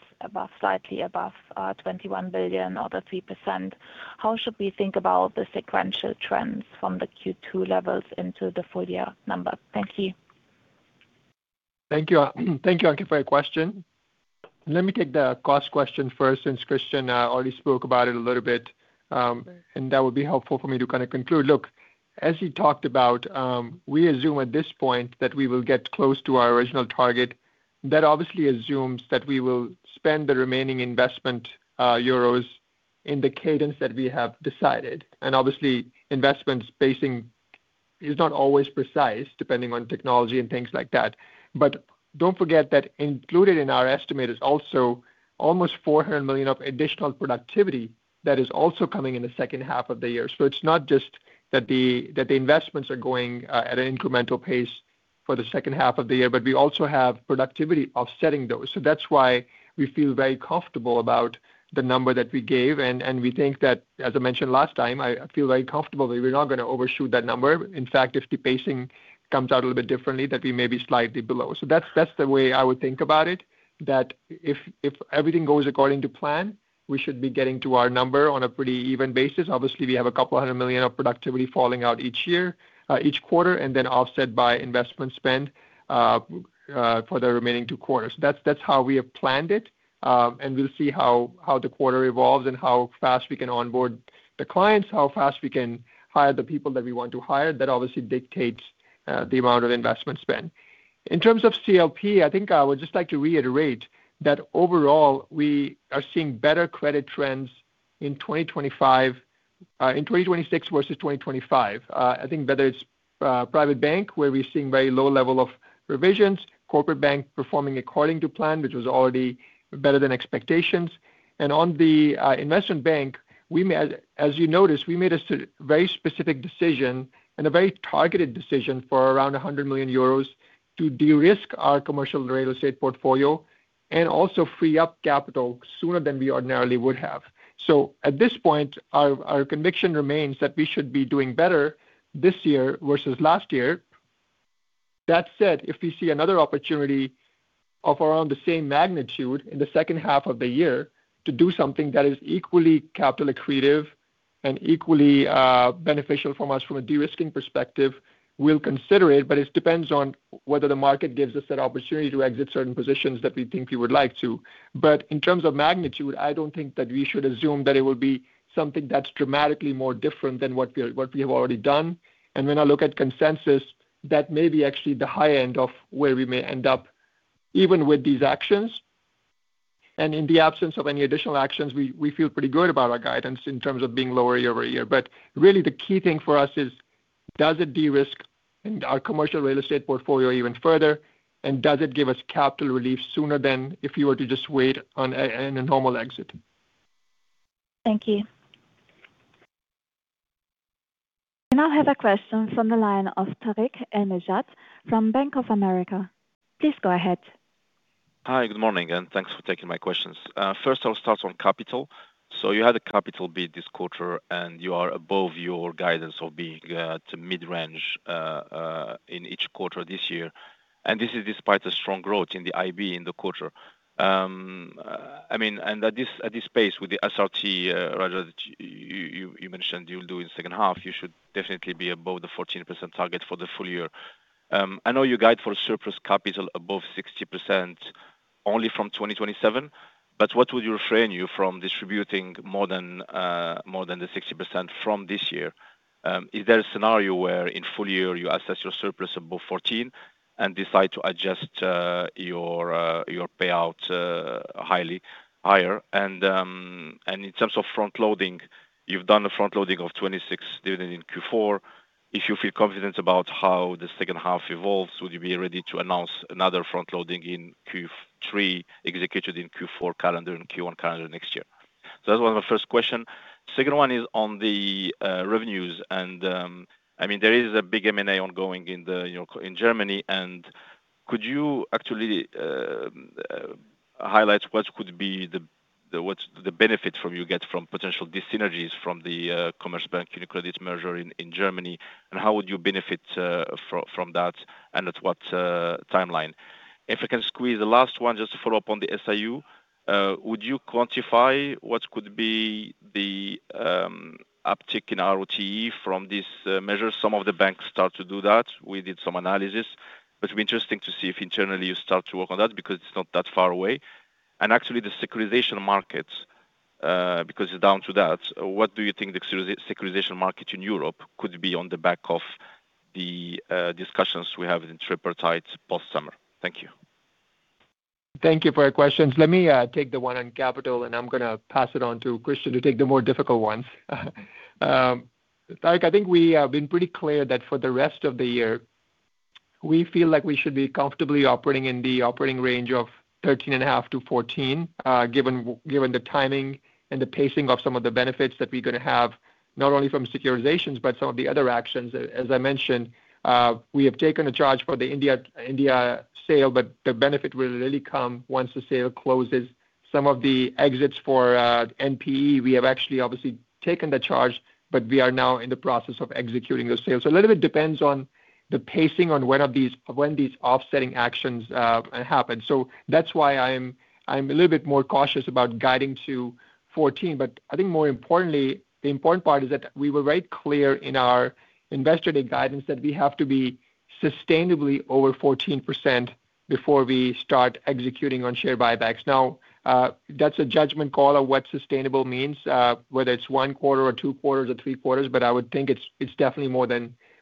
slightly above 21 billion or the 3%, how should we think about the sequential trends from the Q2 levels into the full year number? Thank you. Thank you, Anke, for your question. Let me take the cost question first since Christian already spoke about it a little bit. That would be helpful for me to conclude. Look, as he talked about, we assume at this point that we will get close to our original target. That obviously assumes that we will spend the remaining investment EUR in the cadence that we have decided. Obviously investment spacing is not always precise, depending on technology and things like that. Don't forget that included in our estimate is also almost 400 million of additional productivity that is also coming in the second half of the year. It's not just that the investments are going at an incremental pace for the second half of the year. We also have productivity offsetting those. That's why we feel very comfortable about the number that we gave, and we think that, as I mentioned last time, I feel very comfortable that we're not going to overshoot that number. In fact, if the pacing comes out a little bit differently, that we may be slightly below. That's the way I would think about it, that if everything goes according to plan, we should be getting to our number on a pretty even basis. Obviously, we have a couple hundred million euros of productivity falling out each quarter, and then offset by investment spend for the remaining two quarters. That's how we have planned it, and we'll see how the quarter evolves and how fast we can onboard the clients, how fast we can hire the people that we want to hire. That obviously dictates the amount of investment spend. In terms of PCL, I think I would just like to reiterate that overall we are seeing better credit trends in 2025 In 2026 versus 2025, I think whether it's Private Bank, where we're seeing very low level of revisions, Corporate Bank performing according to plan, which was already better than expectations. On the Investment Bank, as you noticed, we made a very specific decision and a very targeted decision for around 100 million euros to de-risk our commercial real estate portfolio and also free up capital sooner than we ordinarily would have. At this point, our conviction remains that we should be doing better this year versus last year. That said, if we see another opportunity of around the same magnitude in the second half of the year to do something that is equally capital accretive and equally beneficial from us from a de-risking perspective, we'll consider it, but it depends on whether the market gives us that opportunity to exit certain positions that we think we would like to. In terms of magnitude, I don't think that we should assume that it will be something that's dramatically more different than what we have already done. When I look at consensus, that may be actually the high end of where we may end up even with these actions. In the absence of any additional actions, we feel pretty good about our guidance in terms of being lower year-over-year. Really the key thing for us is does it de-risk our commercial real estate portfolio even further, and does it give us capital relief sooner than if we were to just wait on a normal exit? Thank you. We now have a question from the line of Tarik El Mejjad from Bank of America. Please go ahead. Hi. Good morning, and thanks for taking my questions. First, I'll start on capital. You had a capital bid this quarter, and you are above your guidance of being to mid-range in each quarter this year. This is despite the strong growth in the IB in the quarter. At this pace with the SRT, Raja, that you mentioned you'll do in second half, you should definitely be above the 14% target for the full year. I know you guide for surplus capital above 60% only from 2027, but what would refrain you from distributing more than the 60% from this year? Is there a scenario where in full year you assess your surplus above 14% and decide to adjust your payout higher? In terms of front loading, you've done a front loading of 26 during in Q4. If you feel confident about how the second half evolves, would you be ready to announce another front loading in Q3 executed in Q4 calendar and Q1 calendar next year? That's one of my first question. Second one is on the revenues, and there is a big M&A ongoing in Germany. Could you actually highlight what could be the benefit you get from potential desynergies from the Commerzbank UniCredit merger in Germany, and how would you benefit from that and at what timeline? If I can squeeze a last one just to follow up on the SAA. Would you quantify what could be the uptick in ROTE from this measure? Some of the banks start to do that. We did some analysis. It'd be interesting to see if internally you start to work on that because it's not that far away. Actually the securitization market, because it's down to that, what do you think the securitization market in Europe could be on the back of the discussions we have in tripartite post-summer? Thank you. Thank you for your questions. Let me take the one on capital, and I'm going to pass it on to Christian to take the more difficult ones. Tarik, I think we have been pretty clear that for the rest of the year, we feel like we should be comfortably operating in the operating range of 13.5%-14%, given the timing and the pacing of some of the benefits that we're going to have, not only from securitizations, but some of the other actions. As I mentioned, we have taken a charge for the India sale, but the benefit will really come once the sale closes. Some of the exits for NPE, we have actually obviously taken the charge, but we are now in the process of executing those sales. A little bit depends on the pacing on when these offsetting actions happen. That's why I'm a little bit more cautious about guiding to 14%. I think more importantly, the important part is that we were very clear in our Investor Day guidance that we have to be sustainably over 14% before we start executing on share buybacks. That's a judgment call on what sustainable means, whether it's one quarter or two quarters or three quarters, but I would think it's definitely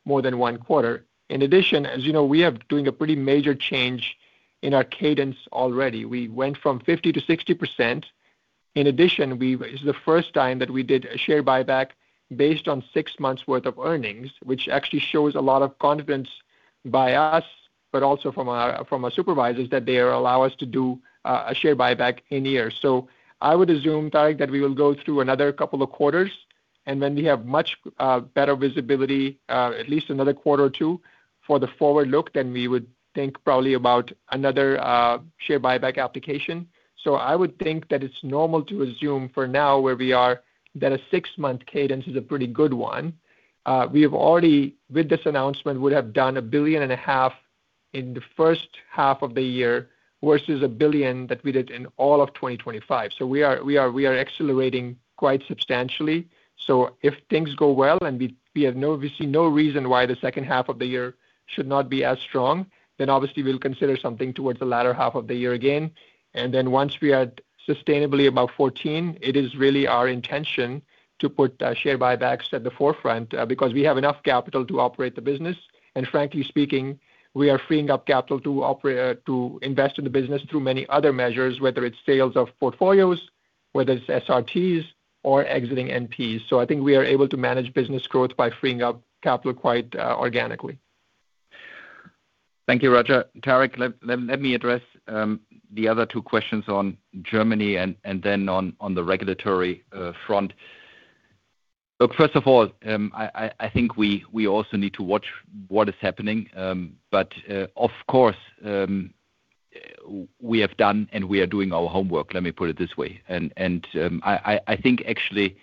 more than one quarter. In addition, as you know, we are doing a pretty major change in our cadence already. We went from 50% to 60%. In addition, it's the first time that we did a share buyback based on six months' worth of earnings, which actually shows a lot of confidence by us, but also from our supervisors that they allow us to do a share buyback in a year. I would assume, Tarik, that we will go through another couple of quarters, and when we have much better visibility, at least another quarter or two for the forward look, then we would think probably about another share buyback application. I would think that it's normal to assume for now where we are that a six-month cadence is a pretty good one. We have already, with this announcement, would have done 1.5 billion in the first half of the year versus 1 billion that we did in all of 2025. We are accelerating quite substantially. If things go well, and we see no reason why the second half of the year should not be as strong, then obviously we'll consider something towards the latter half of the year again. Once we are sustainably above 14%, it is really our intention to put share buybacks at the forefront, because we have enough capital to operate the business. Frankly speaking, we are freeing up capital to invest in the business through many other measures, whether it's sales of portfolios, whether it's SRTs or exiting NPEs. I think we are able to manage business growth by freeing up capital quite organically. Thank you, Raja. Tarik, let me address the other two questions on Germany and then on the regulatory front. First of all, I think we also need to watch what is happening. Of course, we have done and we are doing our homework, let me put it this way. I think actually,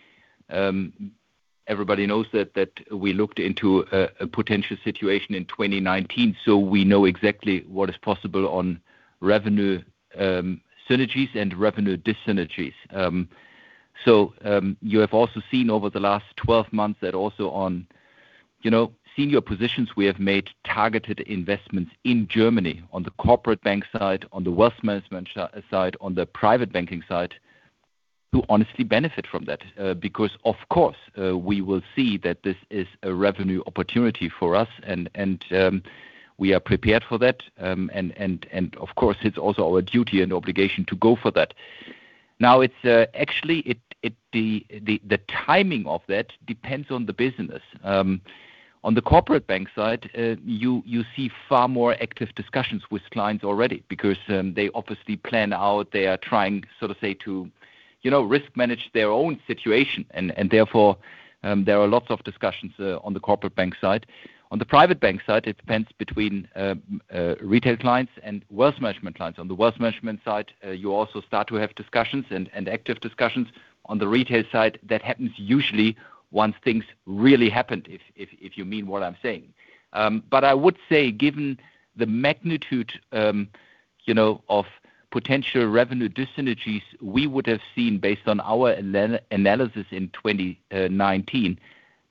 everybody knows that we looked into a potential situation in 2019. We know exactly what is possible on revenue synergies and revenue dyssynergies. You have also seen over the last 12 months that also on senior positions, we have made targeted investments in Germany on the Corporate Bank side, on the wealth management side, on the Private Bank side, who honestly benefit from that. Of course, we will see that this is a revenue opportunity for us, and we are prepared for that. Of course, it's also our duty and obligation to go for that. Actually, the timing of that depends on the business. On the Corporate Bank side, you see far more active discussions with clients already because they obviously plan out, they are trying to risk manage their own situation. Therefore, there are lots of discussions on the Corporate Bank side. On the Private Bank side, it depends between retail clients and wealth management clients. On the wealth management side, you also start to have discussions and active discussions. On the retail side, that happens usually once things really happen, if you mean what I'm saying. I would say, given the magnitude of potential revenue dyssynergies we would have seen based on our analysis in 2019,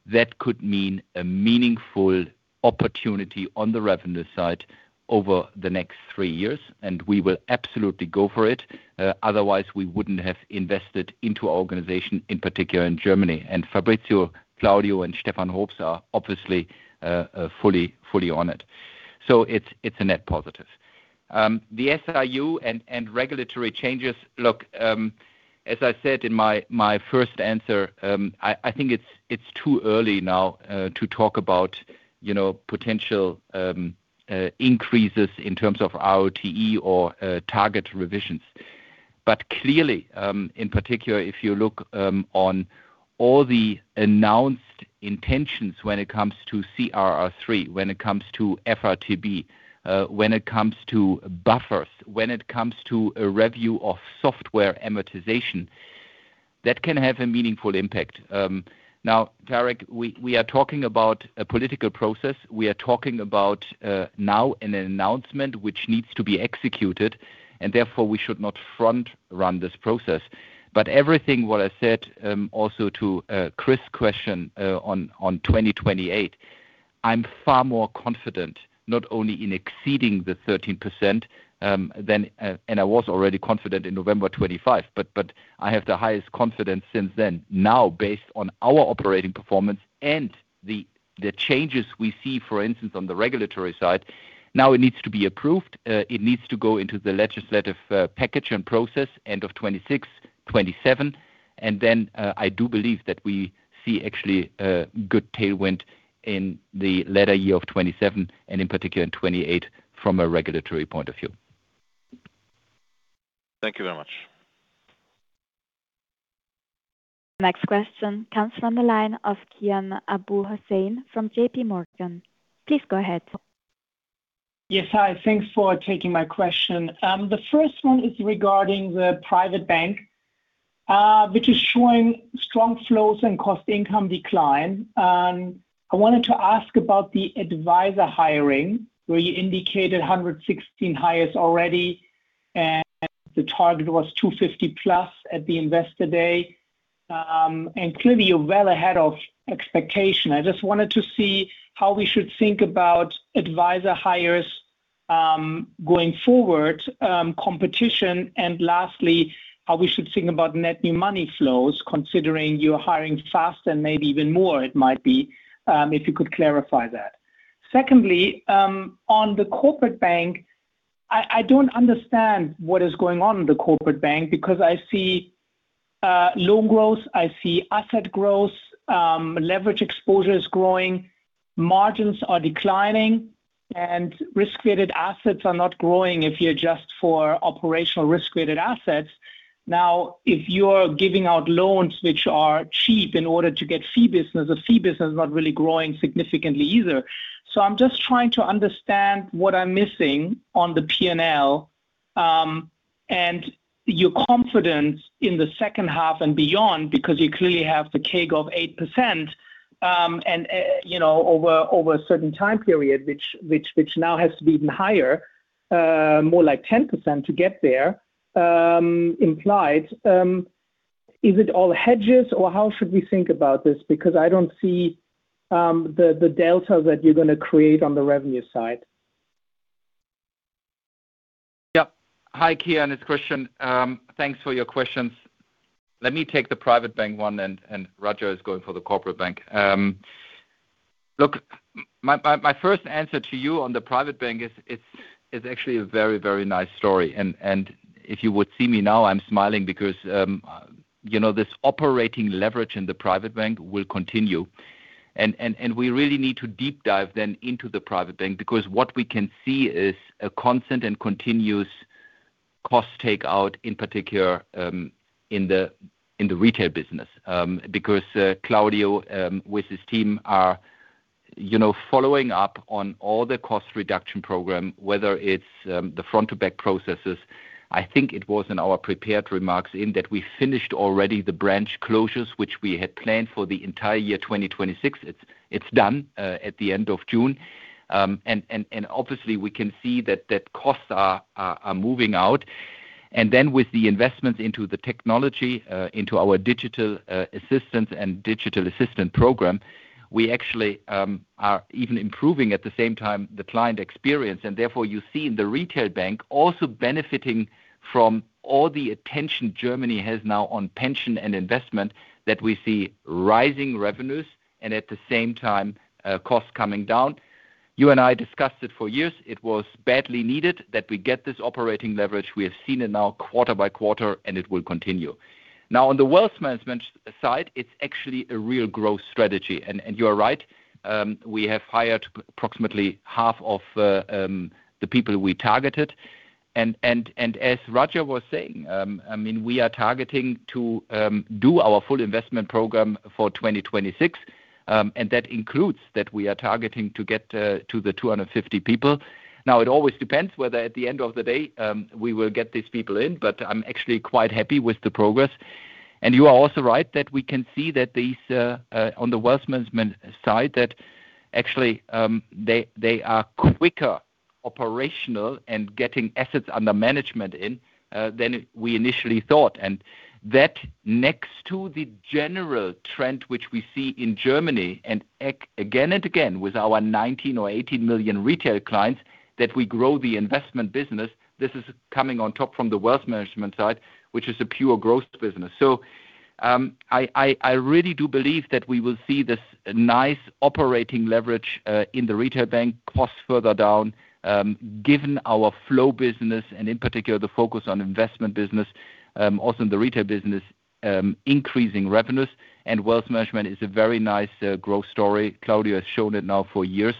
that could mean a meaningful opportunity on the revenue side over the next three years, and we will absolutely go for it. Otherwise, we wouldn't have invested into our organization, in particular in Germany. Fabrizio, Claudio, and Stefan Hoops are obviously fully on it. It's a net positive. The SAA and regulatory changes, look, as I said in my first answer, I think it's too early now to talk about potential increases in terms of ROTE or target revisions. Clearly, in particular, if you look on all the announced intentions when it comes to CRR3, when it comes to FRTB, when it comes to buffers, when it comes to a review of software amortization, that can have a meaningful impact. Tarik, we are talking about a political process. We are talking about now an announcement which needs to be executed, therefore we should not front-run this process. Everything what I said also to Chris' question on 2028, I'm far more confident, not only in exceeding the 13%, I was already confident in November 2025, but I have the highest confidence since then now based on our operating performance and the changes we see, for instance, on the regulatory side. It needs to be approved. It needs to go into the legislative package and process end of 2026, 2027. Then I do believe that we see actually a good tailwind in the latter year of 2027 and in particular in 2028 from a regulatory point of view. Thank you very much. Next question comes from the line of Kian Abouhossein from JPMorgan. Please go ahead. Yes. Hi, thanks for taking my question. The first one is regarding the Private Bank, which is showing strong flows and cost income decline. I wanted to ask about the advisor hiring, where you indicated 116 hires already, and the target was 250+ at the Investor Day. Clearly you're well ahead of expectation. I just wanted to see how we should think about advisor hires going forward, competition, and lastly, how we should think about net new money flows, considering you're hiring fast and maybe even more it might be. If you could clarify that. Secondly, on the Corporate Bank, I don't understand what is going on in the Corporate Bank because I see low growth, I see asset growth, leverage exposure is growing, margins are declining, and Risk-Weighted Assets are not growing if you adjust for operational Risk-Weighted Assets. Now, if you're giving out loans which are cheap in order to get fee business, the fee business is not really growing significantly either. I'm just trying to understand what I'm missing on the P&L and your confidence in the second half and beyond, because you clearly have the CAGR of 8% over a certain time period which now has to be even higher, more like 10% to get there implied. Is it all hedges or how should we think about this? I don't see the delta that you're going to create on the revenue side. Yeah. Hi, Kian, it's Christian. Thanks for your questions. Let me take the Private Bank one. Raja is going for the Corporate Bank. Look, my first answer to you on the Private Bank is actually a very nice story. If you would see me now, I'm smiling because this operating leverage in the Private Bank will continue. We really need to deep dive then into the Private Bank, because what we can see is a constant and continuous cost takeout, in particular in the retail business. Claudio, with his team, are following up on all the cost reduction program, whether it's the front to back processes. I think it was in our prepared remarks in that we finished already the branch closures, which we had planned for the entire year 2026. It's done at the end of June. Obviously, we can see that costs are moving out. With the investments into the technology, into our digital assistance and digital assistant program, we actually are even improving at the same time the client experience. Therefore, you see in the retail bank also benefiting from all the attention Germany has now on pension and investment that we see rising revenues and, at the same time, costs coming down. You and I discussed it for years. It was badly needed that we get this operating leverage. We have seen it now quarter by quarter, and it will continue. Now on the wealth management side, it's actually a real growth strategy. You are right, we have hired approximately half of the people we targeted. As Raja was saying, we are targeting to do our full investment program for 2026. That includes that we are targeting to get to the 250 people. Now, it always depends whether at the end of the day, we will get these people in, but I'm actually quite happy with the progress. You are also right that we can see that these, on the wealth management side, that actually they are quicker operational and getting assets under management in than we initially thought. That next to the general trend which we see in Germany, and again and again with our 19 or 18 million retail clients, that we grow the investment business. This is coming on top from the wealth management side, which is a pure growth business. I really do believe that we will see this nice operating leverage in the retail bank costs further down, given our flow business and, in particular, the focus on investment business. Also in the retail business, increasing revenues and wealth management is a very nice growth story. Claudio has shown it now for years.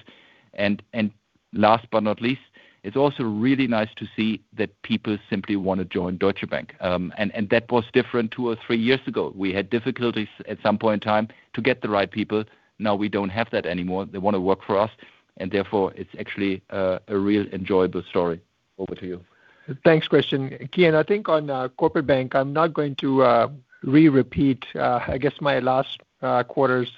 Last but not least, it's also really nice to see that people simply want to join Deutsche Bank. That was different two or three years ago. We had difficulties at some point in time to get the right people. Now we don't have that anymore. They want to work for us. Therefore, it's actually a real enjoyable story. Over to you. Thanks, Christian. Again, I think on Corporate Bank, I'm not going to re-repeat my last quarter's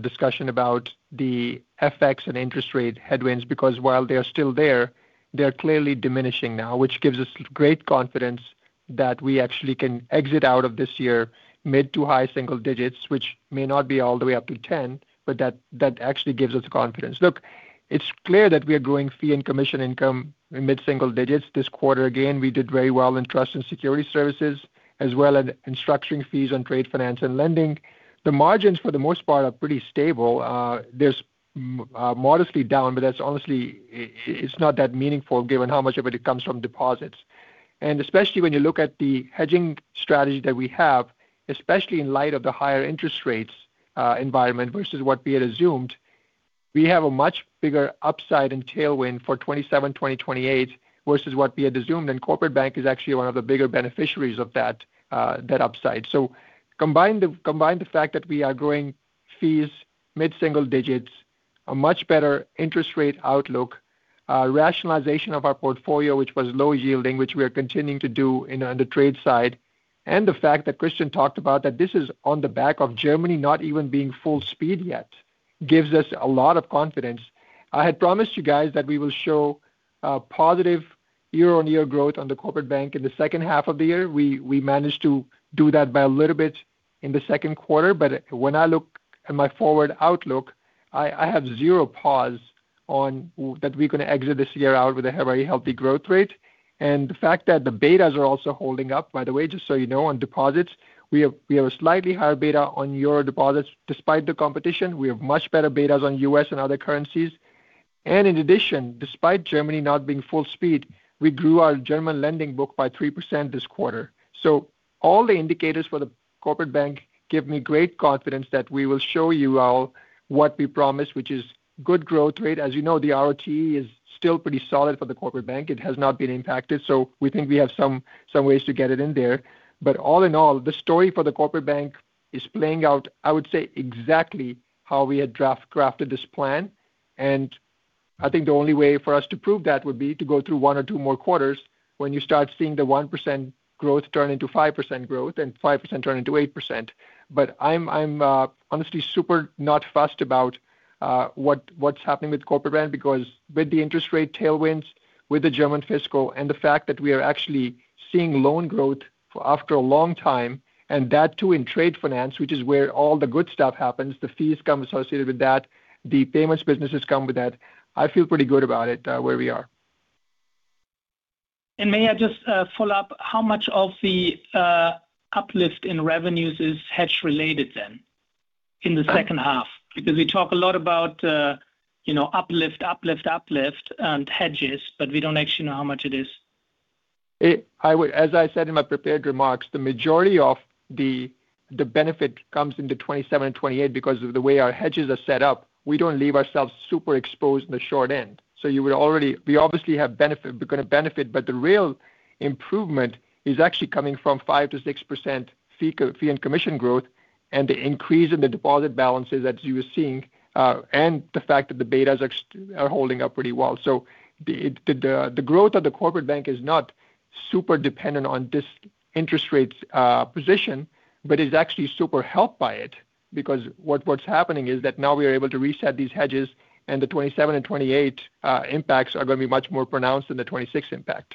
discussion about the FX and interest rate headwinds, because while they are still there, they are clearly diminishing now, which gives us great confidence that we actually can exit out of this year mid to high single digits, which may not be all the way up to 10, but that actually gives us confidence. Look, it's clear that we are growing fee and commission income in mid-single digits this quarter. Again, we did very well in trust and security services, as well as in structuring fees on Trade Finance and lending. The margins, for the most part, are pretty stable. Honestly, it's not that meaningful given how much of it comes from deposits. Especially when you look at the hedging strategy that we have, especially in light of the higher interest rates environment versus what we had assumed, we have a much bigger upside and tailwind for 2027, 2028 versus what we had assumed. Corporate Bank is actually one of the bigger beneficiaries of that upside. Combine the fact that we are growing fees mid-single digits, a much better interest rate outlook, rationalization of our portfolio, which was low yielding, which we are continuing to do on the trade side. The fact that Christian talked about that this is on the back of Germany not even being full speed yet gives us a lot of confidence. I had promised you guys that we will show a positive year-over-year growth on the Corporate Bank in the second half of the year. We managed to do that by a little bit in the second quarter, when I look at my forward outlook, I have zero pause on that we're going to exit this year out with a very healthy growth rate. The fact that the betas are also holding up, by the way, just so you know, on deposits. We have a slightly higher beta on euro deposits despite the competition. We have much better betas on U.S. and other currencies. In addition, despite Germany not being full speed, we grew our German lending book by 3% this quarter. All the indicators for the Corporate Bank give me great confidence that we will show you all what we promised, which is good growth rate. As you know, the ROTE is still pretty solid for the Corporate Bank. It has not been impacted. We think we have some ways to get it in there. All in all, the story for the Corporate Bank is playing out, I would say, exactly how we had crafted this plan, and I think the only way for us to prove that would be to go through one or two more quarters when you start seeing the 1% growth turn into 5% growth and 5% turn into 8%. I'm honestly super not fussed about what's happening with Corporate Bank because with the interest rate tailwinds, with the German fiscal, and the fact that we are actually seeing loan growth after a long time, and that too in Trade Finance, which is where all the good stuff happens, the fees come associated with that, the payments businesses come with that. I feel pretty good about it where we are. May I just follow up, how much of the uplift in revenues is hedge related then? In the second half. We talk a lot about uplift, uplift and hedges, but we don't actually know how much it is. As I said in my prepared remarks, the majority of the benefit comes into 2027 and 2028 because of the way our hedges are set up. We don't leave ourselves super exposed in the short end. We obviously are going to benefit, but the real improvement is actually coming from 5% to 6% fee and commission growth, and the increase in the deposit balances that you are seeing, and the fact that the betas are holding up pretty well. The growth of the Corporate Bank is not super dependent on this interest rates position, but is actually super helped by it. What's happening is that now we are able to reset these hedges, and the 2027 and 2028 impacts are going to be much more pronounced than the 2026 impact.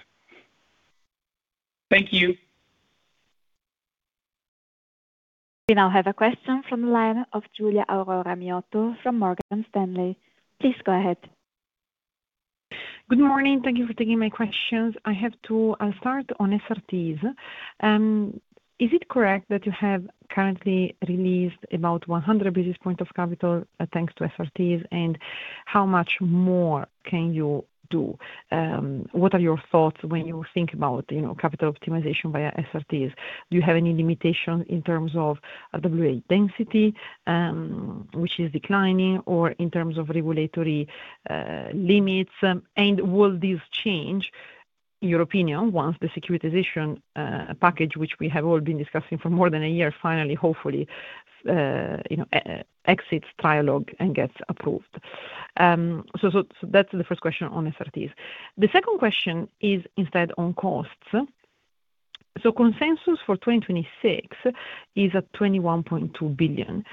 Thank you. We now have a question from the line of Giulia Aurora Miotto from Morgan Stanley. Please go ahead. Good morning. Thank you for taking my questions. I have two. I'll start on SRTs. Is it correct that you have currently released about 100 basis points of capital thanks to SRTs, and how much more can you do? What are your thoughts when you think about capital optimization via SRTs? Do you have any limitation in terms of RWA density, which is declining, or in terms of regulatory limits? Will this change your opinion once the securitization package, which we have all been discussing for more than a year, finally, hopefully, exits dialogue and gets approved? That's the first question on SRTs. The second question is instead on costs. Consensus for 2026 is at 21.2 billion.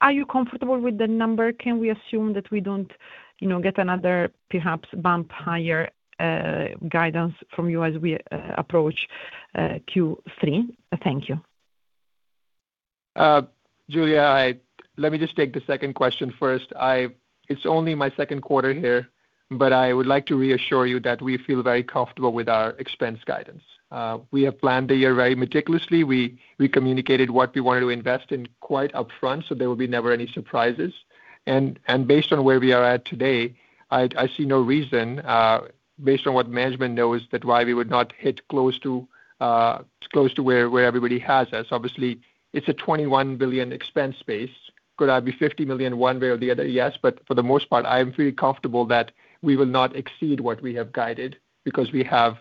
Are you comfortable with the number? Can we assume that we don't get another perhaps bump higher guidance from you as we approach Q3? Thank you. Giulia, let me just take the second question first. It's only my second quarter here, but I would like to reassure you that we feel very comfortable with our expense guidance. We have planned the year very meticulously. We communicated what we wanted to invest in quite upfront, so there will be never any surprises. Based on where we are at today, I see no reason, based on what management knows that why we would not hit close to where everybody has us. Obviously, it's a 21 billion expense base. Could I be 50 million one way or the other? Yes. For the most part, I am pretty comfortable that we will not exceed what we have guided because we have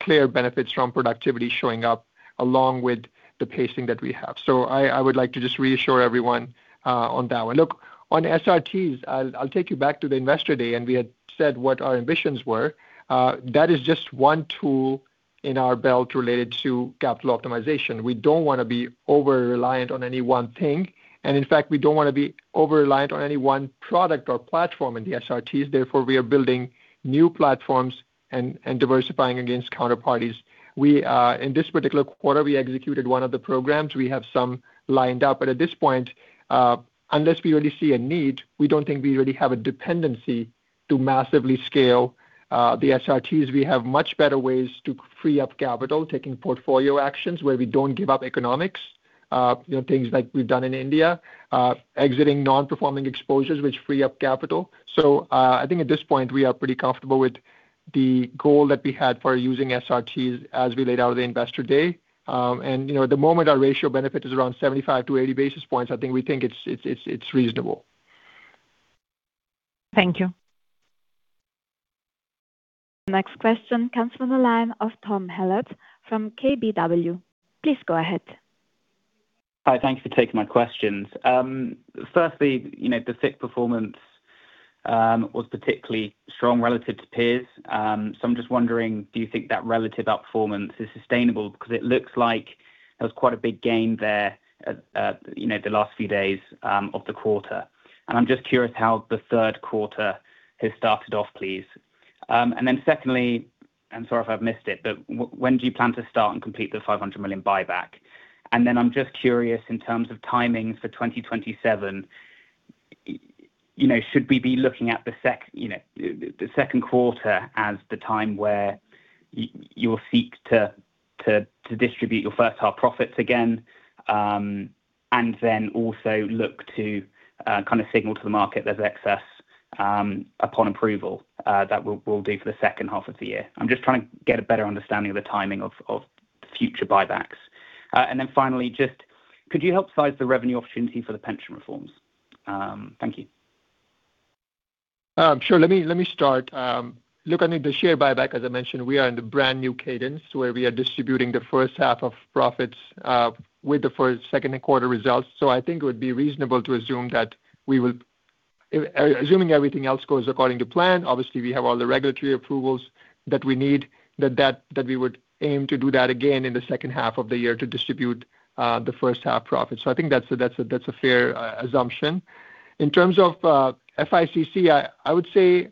clear benefits from productivity showing up along with the pacing that we have. I would like to just reassure everyone on that one. Look, on SRTs, I'll take you back to the Investor Day, and we had said what our ambitions were. That is just one tool in our belt related to capital optimization. We don't want to be over-reliant on any one thing, and in fact, we don't want to be over-reliant on any one product or platform in the SRTs. Therefore, we are building new platforms and diversifying against counterparties. In this particular quarter, we executed one of the programs. We have some lined up. At this point, unless we really see a need, we don't think we really have a dependency to massively scale the SRTs. We have much better ways to free up capital, taking portfolio actions where we don't give up economics. Things like we've done in India, exiting non-performing exposures which free up capital. I think at this point, we are pretty comfortable with the goal that we had for using SRTs as we laid out at the Investor Day. At the moment, our ratio benefit is around 75 to 80 basis points. I think we think it's reasonable. Thank you. Next question comes from the line of Tom Hallett from KBW. Please go ahead. Hi. Thank you for taking my questions. Firstly, the FICC performance was particularly strong relative to peers. I'm just wondering, do you think that relative outperformance is sustainable? It looks like there was quite a big gain there at the last few days of the quarter. I'm just curious how the third quarter has started off, please. Secondly, and sorry if I've missed it, but when do you plan to start and complete the 500 million buyback? I'm just curious in terms of timing for 2027, should we be looking at the second quarter as the time where you'll seek to distribute your first half profits again? Also look to kind of signal to the market there's excess upon approval that will do for the second half of the year. I'm just trying to get a better understanding of the timing of future buybacks. Finally, just could you help size the revenue opportunity for the pension reforms? Thank you. Sure. Let me start. Look, I think the share buyback, as I mentioned, we are in the brand new cadence where we are distributing the first half of profits with the second quarter results. I think it would be reasonable to assume that we will, assuming everything else goes according to plan, obviously we have all the regulatory approvals that we need, that we would aim to do that again in the second half of the year to distribute the first half profits. I think that's a fair assumption. In terms of FICC, I would say,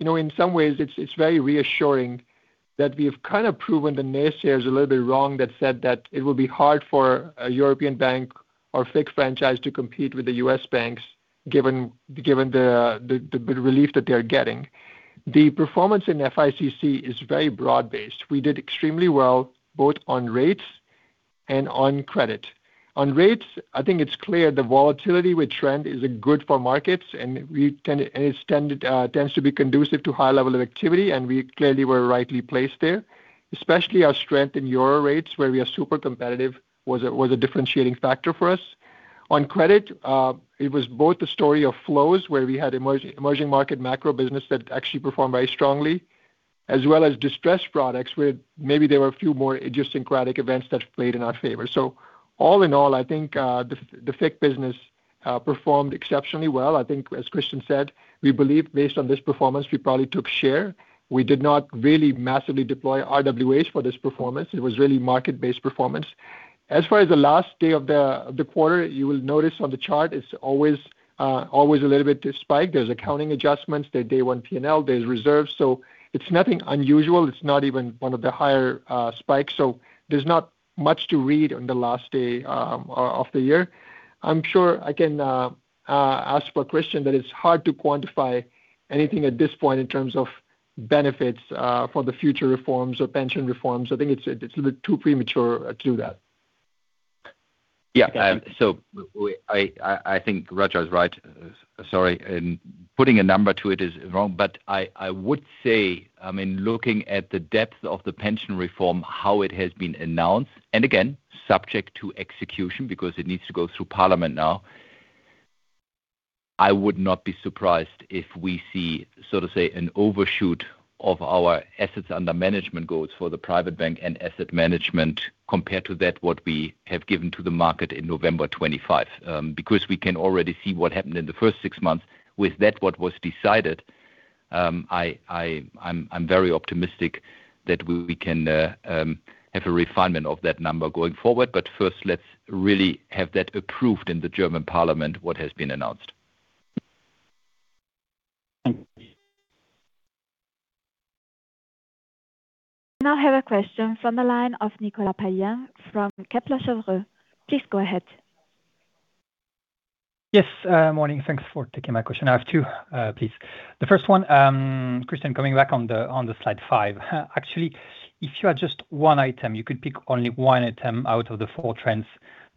in some ways it's very reassuring that we've kind of proven the naysayers a little bit wrong that said that it will be hard for a European bank or FICC franchise to compete with the U.S. banks given the relief that they're getting. The performance in FICC is very broad-based. We did extremely well both on rates and on credit. On rates, I think it's clear the volatility with trend isn't good for markets, and it tends to be conducive to high level of activity, and we clearly were rightly placed there, especially our strength in euro rates, where we are super competitive was a differentiating factor for us. On credit, it was both the story of flows, where we had emerging market macro business that actually performed very strongly, as well as distressed products, where maybe there were a few more idiosyncratic events that played in our favor. All in all, I think the FICC business performed exceptionally well. I think, as Christian said, we believe based on this performance, we probably took share. We did not really massively deploy RWA for this performance. It was really market-based performance. As far as the last day of the quarter, you will notice on the chart, it's always a little bit spiked. There's accounting adjustments, there's day one P&L, there's reserves. It's nothing unusual. It's not even one of the higher spikes. There's not much to read on the last day of the year. I'm sure I can ask for Christian, that it's hard to quantify anything at this point in terms of benefits for the future reforms or pension reforms. I think it's a little too premature to do that. Yeah. I think Raja is right. Sorry. Putting a number to it is wrong. I would say, looking at the depth of the pension reform, how it has been announced, and again, subject to execution because it needs to go through parliament now, I would not be surprised if we see, so to say, an overshoot of our assets under management goals for the Private Bank and Asset Management compared to that what we have given to the market in November 2025. Because we can already see what happened in the first six months with that what was decided. I'm very optimistic that we can have a refinement of that number going forward. First, let's really have that approved in the German parliament what has been announced. Thank you. We now have a question from the line of Nicolas Payen from Kepler Cheuvreux. Please go ahead. Yes, Morning. Thanks for taking my question. I have two, please. The first one, Christian, coming back on the slide five. Actually, if you had just one item, you could pick only one item out of the four trends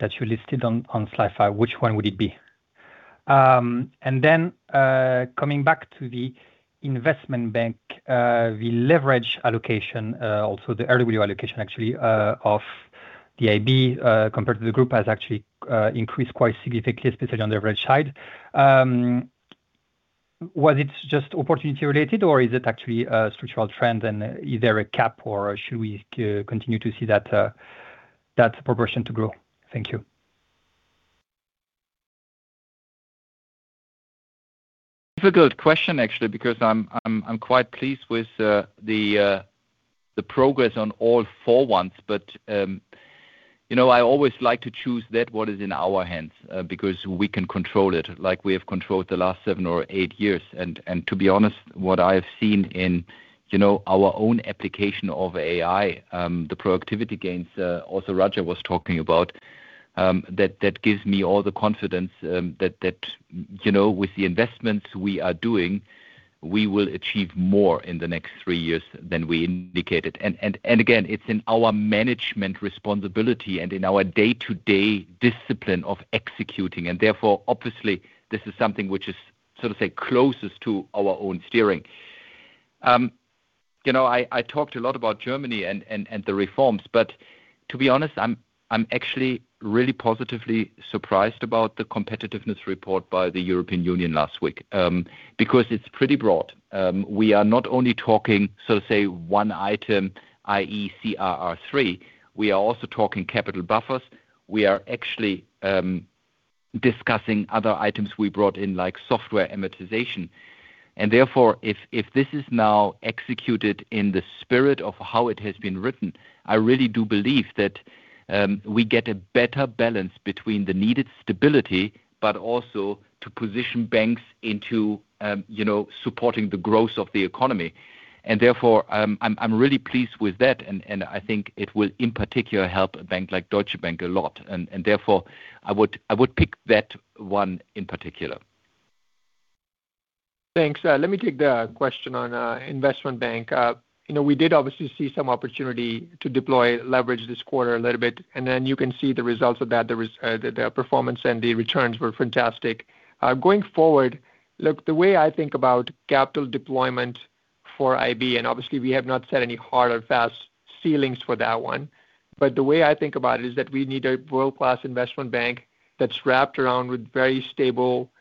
that you listed on slide five, which one would it be? Coming back to the Investment Bank, the leverage allocation, also the RWA allocation actually of the IB compared to the group has actually increased quite significantly, especially on the average side. Was it just opportunity related or is it actually a structural trend and is there a cap or should we continue to see that proportion to grow? Thank you. Difficult question actually because I'm quite pleased with the progress on all four ones. I always like to choose that what is in our hands because we can control it like we have controlled the last seven or eight years. To be honest, what I have seen in our own application of AI, the productivity gains also Raja was talking about, that gives me all the confidence that with the investments we are doing, we will achieve more in the next three years than we indicated. Again, it's in our management responsibility and in our day-to-day discipline of executing, and therefore, obviously, this is something which is, sort of say, closest to our own steering. I talked a lot about Germany and the reforms, to be honest, I'm actually really positively surprised about the competitiveness report by the European Union last week because it's pretty broad. We are not only talking, one item, i.e., CRR3, we are also talking capital buffers. We are actually discussing other items we brought in like software amortization. Therefore, if this is now executed in the spirit of how it has been written, I really do believe that we get a better balance between the needed stability, but also to position banks into supporting the growth of the economy. Therefore, I'm really pleased with that, and I think it will in particular help a bank like Deutsche Bank a lot. Therefore, I would pick that one in particular. Thanks. Let me take the question on Investment Bank. We did obviously see some opportunity to deploy leverage this quarter a little bit, and then you can see the results of that. The performance and the returns were fantastic. Going forward, look, the way I think about capital deployment for IB, and obviously we have not set any hard or fast ceilings for that one, but the way I think about it is that we need a world-class Investment Bank that's wrapped around with very stable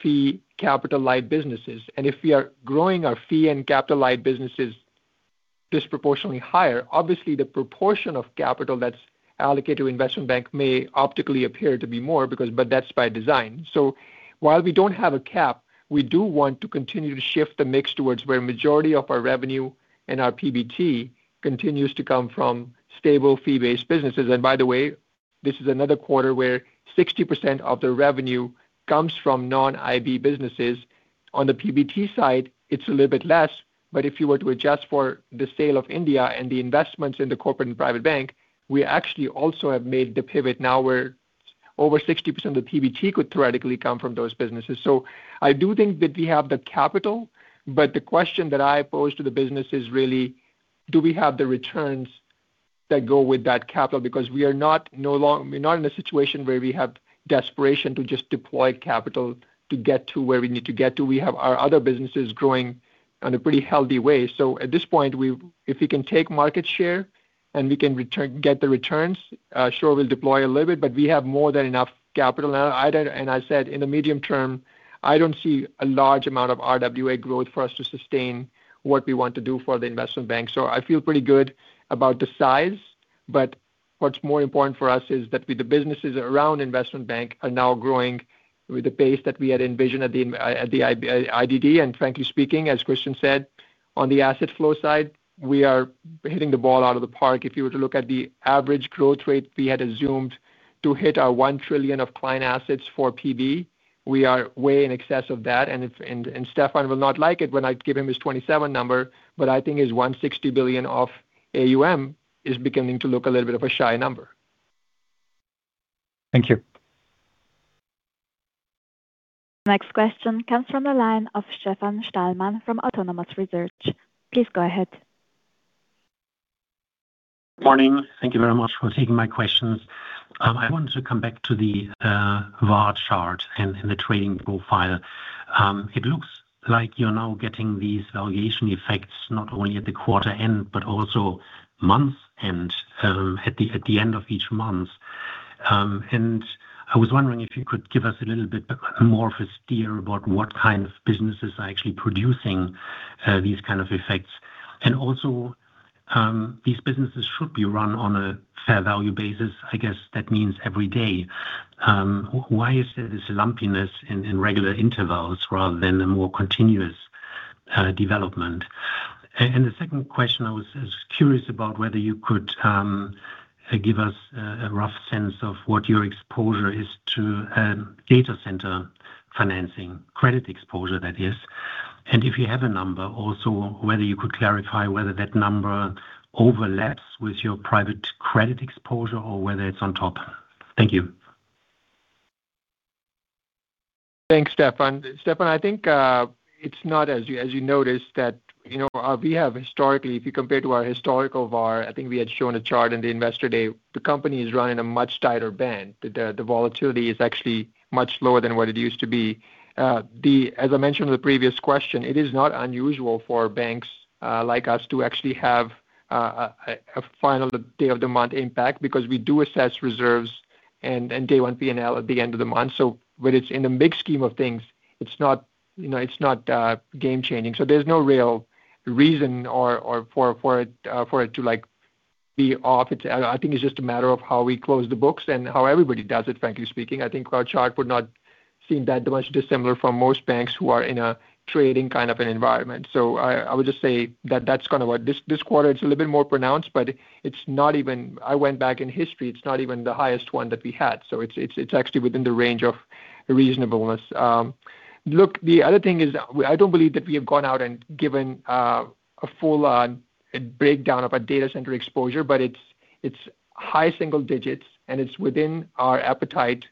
fee capital-light businesses. If we are growing our fee and capital-light businesses disproportionately higher, obviously the proportion of capital that's allocated to Investment Bank may optically appear to be more, but that's by design. While we don't have a cap, we do want to continue to shift the mix towards where majority of our revenue and our PBT continues to come from stable fee-based businesses. By the way, this is another quarter where 60% of the revenue comes from non-IB businesses. On the PBT side, it's a little bit less, but if you were to adjust for the sale of India and the investments in the Corporate and Private Bank, we actually also have made the pivot. Now where over 60% of the PBT could theoretically come from those businesses. I do think that we have the capital, but the question that I pose to the business is really, do we have the returns that go with that capital? We are not in a situation where we have desperation to just deploy capital to get to where we need to get to. We have our other businesses growing in a pretty healthy way. At this point, if we can take market share and we can get the returns, sure, we'll deploy a little bit, but we have more than enough capital now. I said, in the medium term, I don't see a large amount of RWA growth for us to sustain what we want to do for the Investment Bank. I feel pretty good about the size, but what's more important for us is that the businesses around Investment Bank are now growing with the pace that we had envisioned at the IDD. Frankly speaking, as Christian said, on the asset flow side, we are hitting the ball out of the park. If you were to look at the average growth rate we had assumed to hit our 1 trillion of client assets for PB, we are way in excess of that. Stefan will not like it when I give him his 27 number, but I think his 160 billion of AUM is beginning to look a little bit of a shy number. Thank you. Next question comes from the line of Stefan Stalmann from Autonomous Research. Please go ahead. Morning. Thank you very much for taking my questions. I want to come back to the VaR chart and the trading profile. It looks like you're now getting these valuation effects not only at the quarter end, but also month end, at the end of each month. I was wondering if you could give us a little bit more of a steer about what kind of businesses are actually producing these kind of effects. Also, these businesses should be run on a fair value basis, I guess, that means every day. Why is there this lumpiness in regular intervals rather than a more continuous development? The second question, I was curious about whether you could give us a rough sense of what your exposure is to data center financing credit exposure that is. If you have a number also, whether you could clarify whether that number overlaps with your private credit exposure or whether it's on top. Thank you. Thanks, Stefan. Stefan, I think it's not, as you noticed, that we have historically, if you compare to our historical VaR, I think we had shown a chart in the Investor Day. The company is running a much tighter band. The volatility is actually much lower than what it used to be. As I mentioned in the previous question, it is not unusual for banks like us to actually have a final day of the month impact because we do assess reserves and day one P&L at the end of the month. In the big scheme of things, it's not game changing. There's no real reason for it to be off. I think it's just a matter of how we close the books and how everybody does it, frankly speaking. I think our chart would not seem that much dissimilar from most banks who are in a trading kind of an environment. This quarter, it's a little bit more pronounced, but I went back in history, it's not even the highest one that we had. It's actually within the range of reasonableness. Look, the other thing is, I don't believe that we have gone out and given a full-on breakdown of our data center exposure, but it's high single digits and it's within our appetite.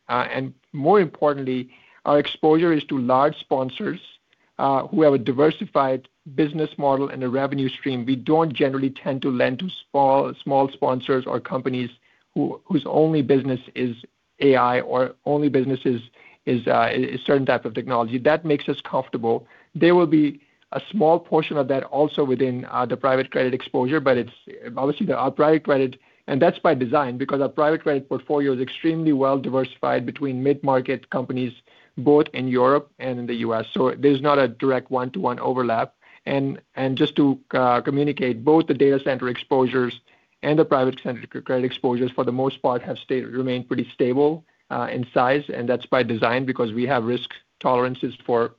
More importantly, our exposure is to large sponsors who have a diversified business model and a revenue stream. We don't generally tend to lend to small sponsors or companies whose only business is AI or only business is a certain type of technology. That makes us comfortable. There will be a small portion of that also within the private credit exposure. Obviously, our private credit portfolio is extremely well diversified between mid-market companies, both in Europe and in the U.S. There's not a direct one-to-one overlap. Just to communicate both the data center exposures and the private credit exposures for the most part have remained pretty stable in size, and that's by design because we have risk tolerances for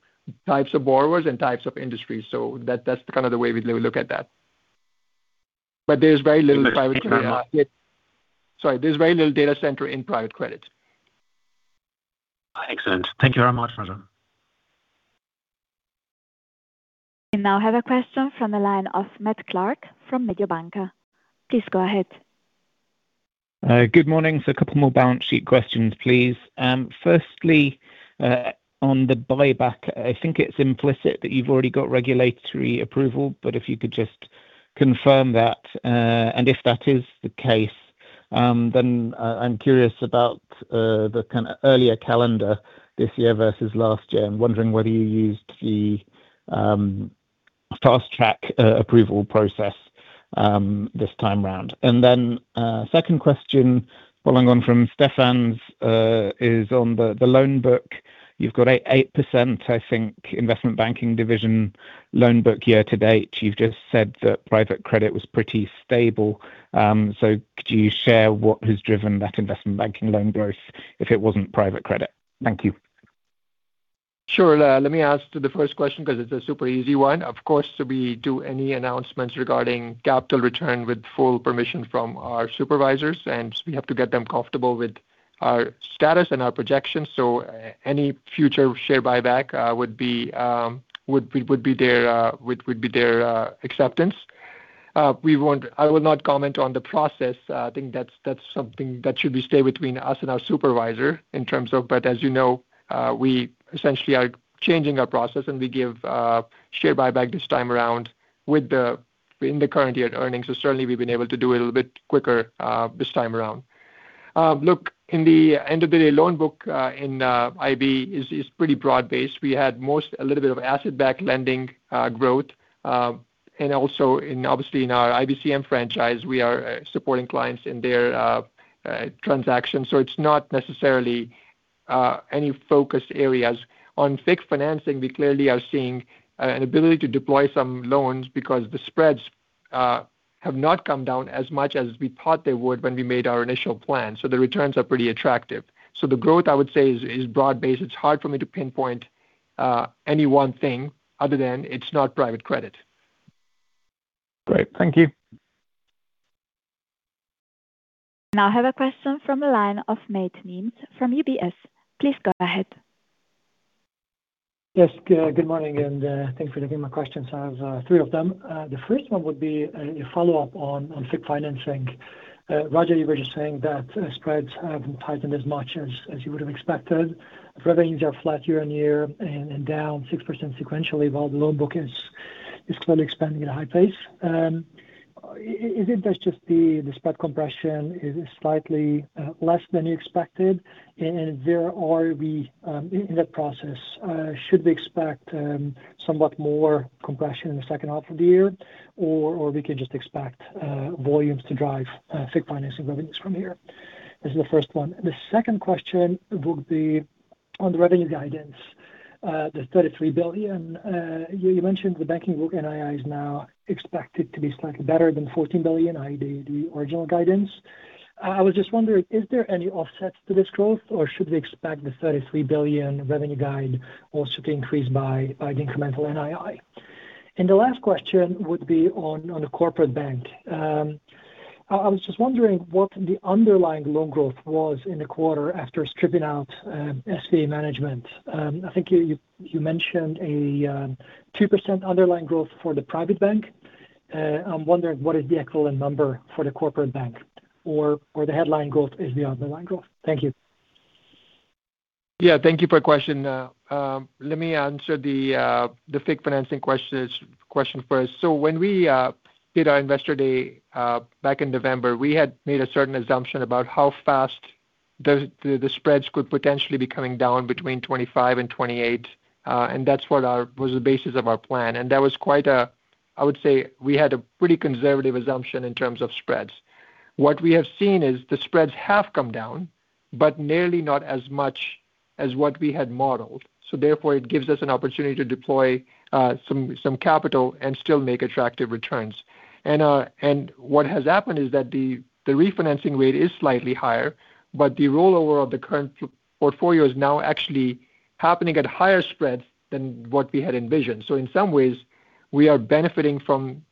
types of borrowers and types of industries. That's kind of the way we look at that. There's very little private. Thank you very much. Sorry, there's very little data center in private credit. Excellent. Thank you very much, Raja. We now have a question from the line of Matt Clark from Mediobanca. Please go ahead. Good morning. A couple more balance sheet questions, please. Firstly, on the buyback, I think it's implicit that you've already got regulatory approval. If you could just confirm that. If that is the case, I'm curious about the kind of earlier calendar this year versus last year. I'm wondering whether you used the fast track approval process this time around. Second question following on from Stefan's is on the loan book. You've got 8%, I think, Investment Banking Division loan book year to date. You've just said that private credit was pretty stable. Could you share what has driven that investment banking loan growth if it wasn't private credit? Thank you. Sure. Let me answer the first question because it's a super easy one. Of course, we do any announcements regarding capital return with full permission from our supervisors, and we have to get them comfortable with our status and our projections. Any future share buyback would be their acceptance. I will not comment on the process. I think that's something that should stay between us and our supervisor. As you know, we essentially are changing our process. We give share buyback this time around in the current year earnings. Certainly, we've been able to do it a little bit quicker this time around. Look, in the end of the day, loan book in IB is pretty broad-based. We had a little bit of asset-backed lending growth. Also obviously in our IBCM franchise, we are supporting clients in their transactions. It's not necessarily any focus areas. On FICC financing, we clearly are seeing an ability to deploy some loans because the spreads have not come down as much as we thought they would when we made our initial plan. The returns are pretty attractive. The growth, I would say, is broad-based. It's hard for me to pinpoint any one thing other than it's not private credit. Great. Thank you. I have a question from the line of Máté Nemes from UBS. Please go ahead. Yes. Good morning, and thanks for taking my questions. I have three of them. The first one would be a follow-up on FICC financing. Raja, you were just saying that spreads haven't tightened as much as you would have expected. Revenues are flat year-over-year and down 6% sequentially, while the loan book is clearly expanding at a high pace. Is it that just the spread compression is slightly less than you expected? In that process, should we expect somewhat more compression in the second half of the year, or we can just expect volumes to drive FICC financing revenues from here? This is the first one. The second question would be on the revenue guidance, the 33 billion. You mentioned the banking book NII is now expected to be slightly better than 14 billion, i.e., the original guidance. I was just wondering, is there any offset to this growth, or should we expect the EUR 33 billion revenue guide also to increase by the incremental NII? The last question would be on the Corporate Bank. I was just wondering what the underlying loan growth was in the quarter after stripping out SVA management. I think you mentioned a 2% underlying growth for the Private Bank. I'm wondering what is the equivalent number for the Corporate Bank, or the headline growth is the underlying growth. Thank you. Yeah. Thank you for the question. Let me answer the FICC financing question first. When we did our Investor Day back in November, we had made a certain assumption about how fast the spreads could potentially be coming down between 2025 and 2028. That was the basis of our plan. I would say we had a pretty conservative assumption in terms of spreads. What we have seen is the spreads have come down, but nearly not as much as what we had modeled. Therefore, it gives us an opportunity to deploy some capital and still make attractive returns. What has happened is that the refinancing rate is slightly higher, but the rollover of the current portfolio is now actually happening at higher spreads than what we had envisioned. In some ways, we are benefiting from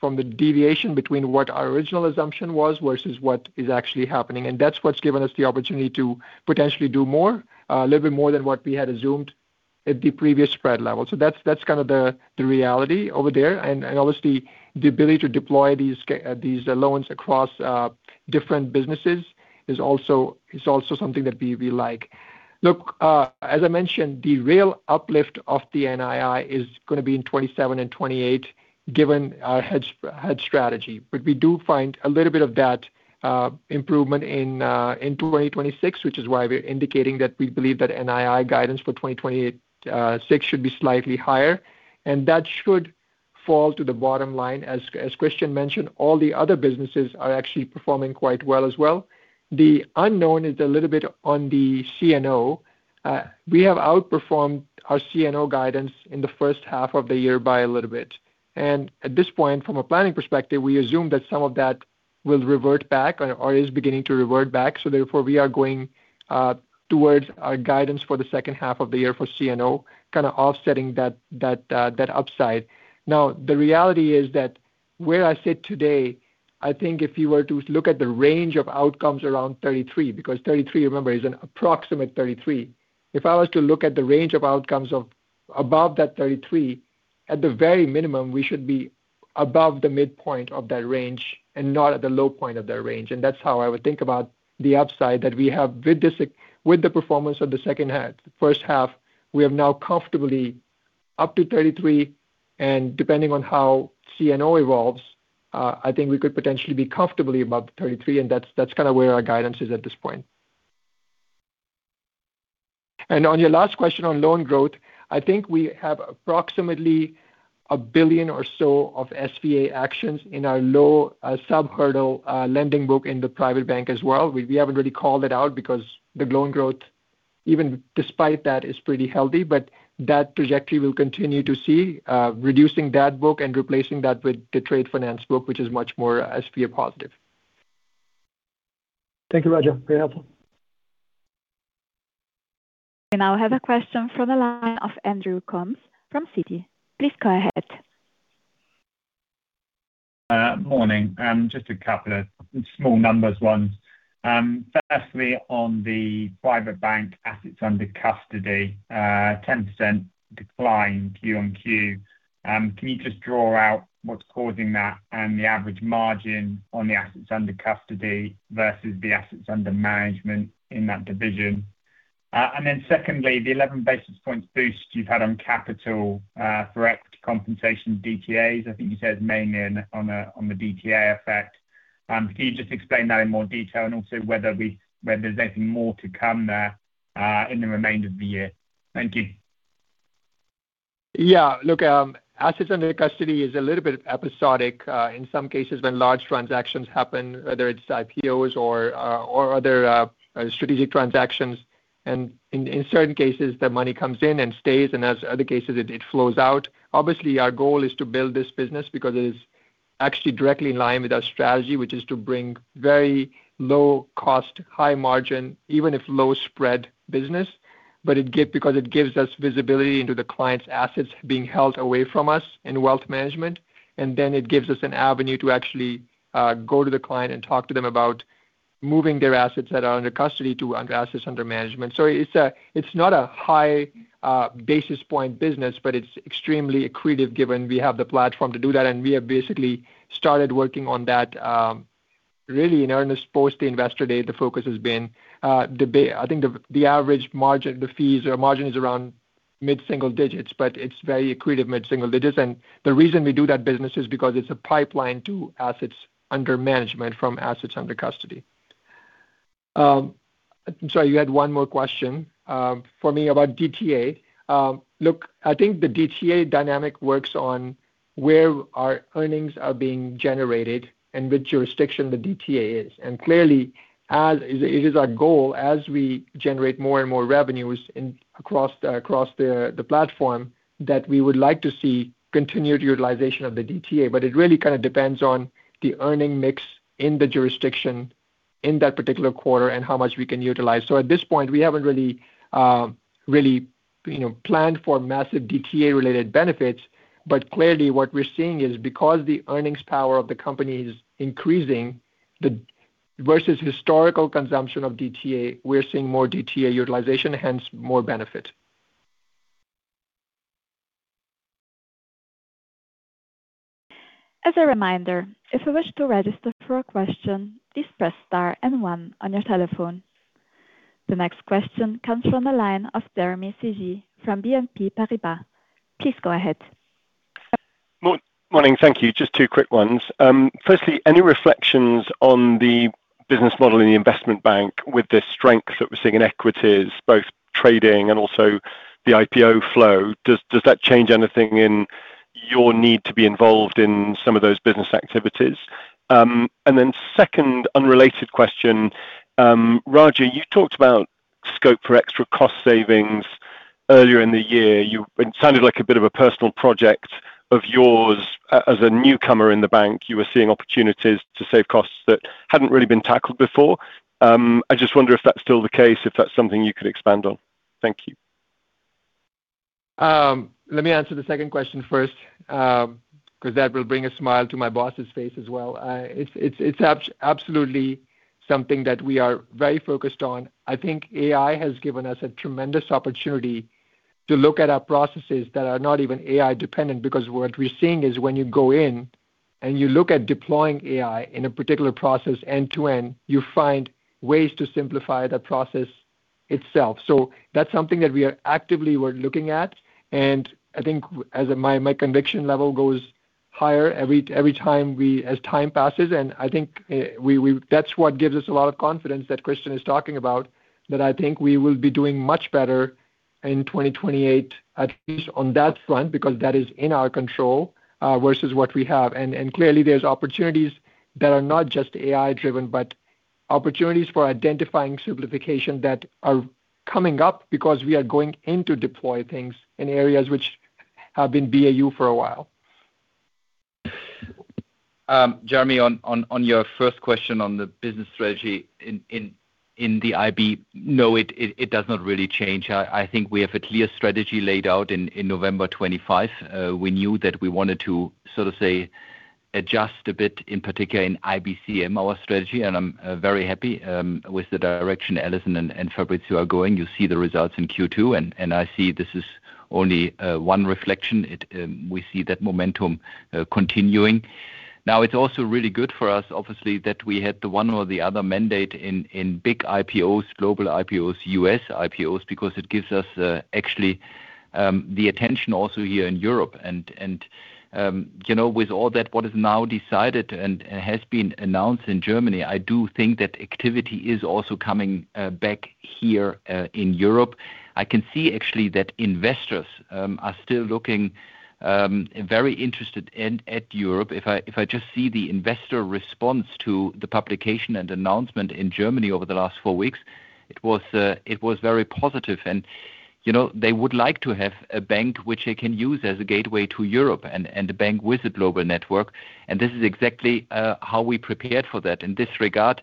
the deviation between what our original assumption was versus what is actually happening. That's what's given us the opportunity to potentially do more, a little bit more than what we had assumed at the previous spread level. That's kind of the reality over there. Obviously, the ability to deploy these loans across different businesses is also something that we like. As I mentioned, the real uplift of the NII is going to be in 2027 and 2028, given our hedge strategy. We do find a little bit of that improvement in 2026, which is why we're indicating that we believe that NII guidance for 2026 should be slightly higher, and that should fall to the bottom line. As Christian mentioned, all the other businesses are actually performing quite well as well. The unknown is a little bit on the C&O. We have outperformed our C&O guidance in the first half of the year by a little bit. At this point, from a planning perspective, we assume that some of that will revert back or is beginning to revert back. Therefore, we are going towards our guidance for the second half of the year for C&O, kind of offsetting that upside. The reality is that where I sit today, I think if you were to look at the range of outcomes around 33, because 33, remember, is an approximate 33. If I was to look at the range of outcomes of above that 33, at the very minimum, we should be above the midpoint of that range and not at the low point of that range. That's how I would think about the upside that we have with the performance of the first half, we are now comfortably up to 33, and depending on how C&O evolves, I think we could potentially be comfortably above the 33, and that's kind of where our guidance is at this point. On your last question on loan growth, I think we have approximately 1 billion or so of SVA actions in our low sub-hurdle lending book in the Private Bank as well. We haven't really called it out because the loan growth, even despite that, is pretty healthy, but that trajectory we'll continue to see, reducing that book and replacing that with the Trade Finance book, which is much more SVA positive. Thank you, Raja. Very helpful. We now have a question from the line of Andrew Coombs from Citi. Please go ahead. Morning. Just a couple of small numbers ones. Firstly, on the Private Bank assets under custody, 10% decline Q1 Q. Can you just draw out what's causing that and the average margin on the assets under custody versus the assets under management in that division? Secondly, the 11 basis points boost you've had on capital for X compensation DTAs. I think you said mainly on the DTA effect. Can you just explain that in more detail and also whether there's anything more to come there in the remainder of the year? Thank you. Yeah. Look, assets under custody is a little bit episodic. In some cases when large transactions happen, whether it's IPOs or other strategic transactions, and in certain cases, the money comes in and stays, and as other cases, it flows out. Obviously, our goal is to build this business because it is actually directly in line with our strategy, which is to bring very low cost, high margin, even if low spread business, because it gives us visibility into the client's assets being held away from us in wealth management. It gives us an avenue to actually go to the client and talk to them about moving their assets that are under custody to assets under management. It's not a high basis point business, but it's extremely accretive given we have the platform to do that. We have basically started working on that really in earnest post the Investor Day, the focus has been I think the average margin, the fees or margin is around mid-single digits, but it's very accretive mid-single digits. The reason we do that business is because it's a pipeline to assets under management from assets under custody. Sorry, you had one more question for me about DTA. Look, I think the DTA dynamic works on where our earnings are being generated and which jurisdiction the DTA is. Clearly it is our goal as we generate more and more revenues across the platform that we would like to see continued utilization of the DTA, but it really depends on the earning mix in the jurisdiction in that particular quarter and how much we can utilize. At this point, we haven't really planned for massive DTA-related benefits, but clearly what we're seeing is because the earnings power of the company is increasing versus historical consumption of DTA, we're seeing more DTA utilization, hence more benefit. As a reminder, if you wish to register for a question, please press star and one on your telephone. The next question comes from the line of Jeremy Sigee from BNP Paribas. Please go ahead. Morning. Thank you. Just two quick ones. Firstly, any reflections on the business model in the Investment Bank with the strength that we're seeing in equities, both trading and also the IPO flow, does that change anything in your need to be involved in some of those business activities? Second unrelated question, Raja, you talked about scope for extra cost savings earlier in the year. It sounded like a bit of a personal project of yours. As a newcomer in the bank, you were seeing opportunities to save costs that hadn't really been tackled before. I just wonder if that's still the case, if that's something you could expand on. Thank you. Let me answer the second question first, because that will bring a smile to my boss's face as well. It's absolutely something that we are very focused on. I think AI has given us a tremendous opportunity to look at our processes that are not even AI dependent, because what we're seeing is when you go in and you look at deploying AI in a particular process end-to-end, you find ways to simplify the process itself. That's something that we are actively looking at, and I think as my conviction level goes higher as time passes, and I think that's what gives us a lot of confidence that Christian is talking about. I think we will be doing much better in 2028, at least on that front because that is in our control, versus what we have. Clearly there's opportunities that are not just AI driven, but opportunities for identifying simplification that are coming up because we are going in to deploy things in areas which have been BAU for a while. Jeremy, on your first question on the business strategy in the IB, no, it does not really change. I think we have a clear strategy laid out in November 2025. We knew that we wanted to sort of say adjust a bit, in particular in IBCM, our strategy, and I'm very happy with the direction Alison and Fabrizio are going. You see the results in Q2, and I see this is only one reflection. We see that momentum continuing. Now, it's also really good for us, obviously, that we had the one or the other mandate in big IPOs, global IPOs, U.S. IPOs, because it gives us actually the attention also here in Europe. With all that what is now decided and has been announced in Germany, I do think that activity is also coming back here in Europe. I can see actually that investors are still looking very interested at Europe. If I just see the investor response to the publication and announcement in Germany over the last four weeks, it was very positive. They would like to have a bank which they can use as a gateway to Europe and a bank with a global network, and this is exactly how we prepared for that. In this regard,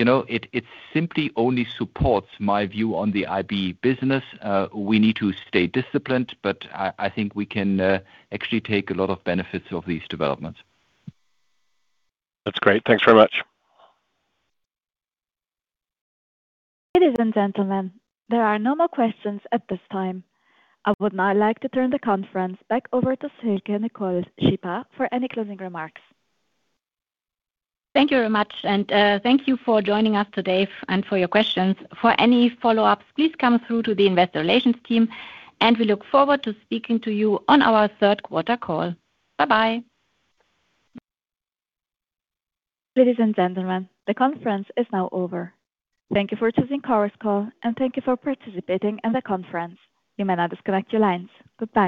it simply only supports my view on the IB business. We need to stay disciplined, but I think we can actually take a lot of benefits of these developments. That's great. Thanks very much. Ladies and gentlemen, there are no more questions at this time. I would now like to turn the conference back over to Silke-Nicole Szypa for any closing remarks. Thank you very much, and thank you for joining us today and for your questions. For any follow-ups, please come through to the investor relations team, and we look forward to speaking to you on our third quarter call. Bye-bye. Ladies and gentlemen, the conference is now over. Thank you for choosing Chorus Call, and thank you for participating in the conference. You may now disconnect your lines. Goodbye.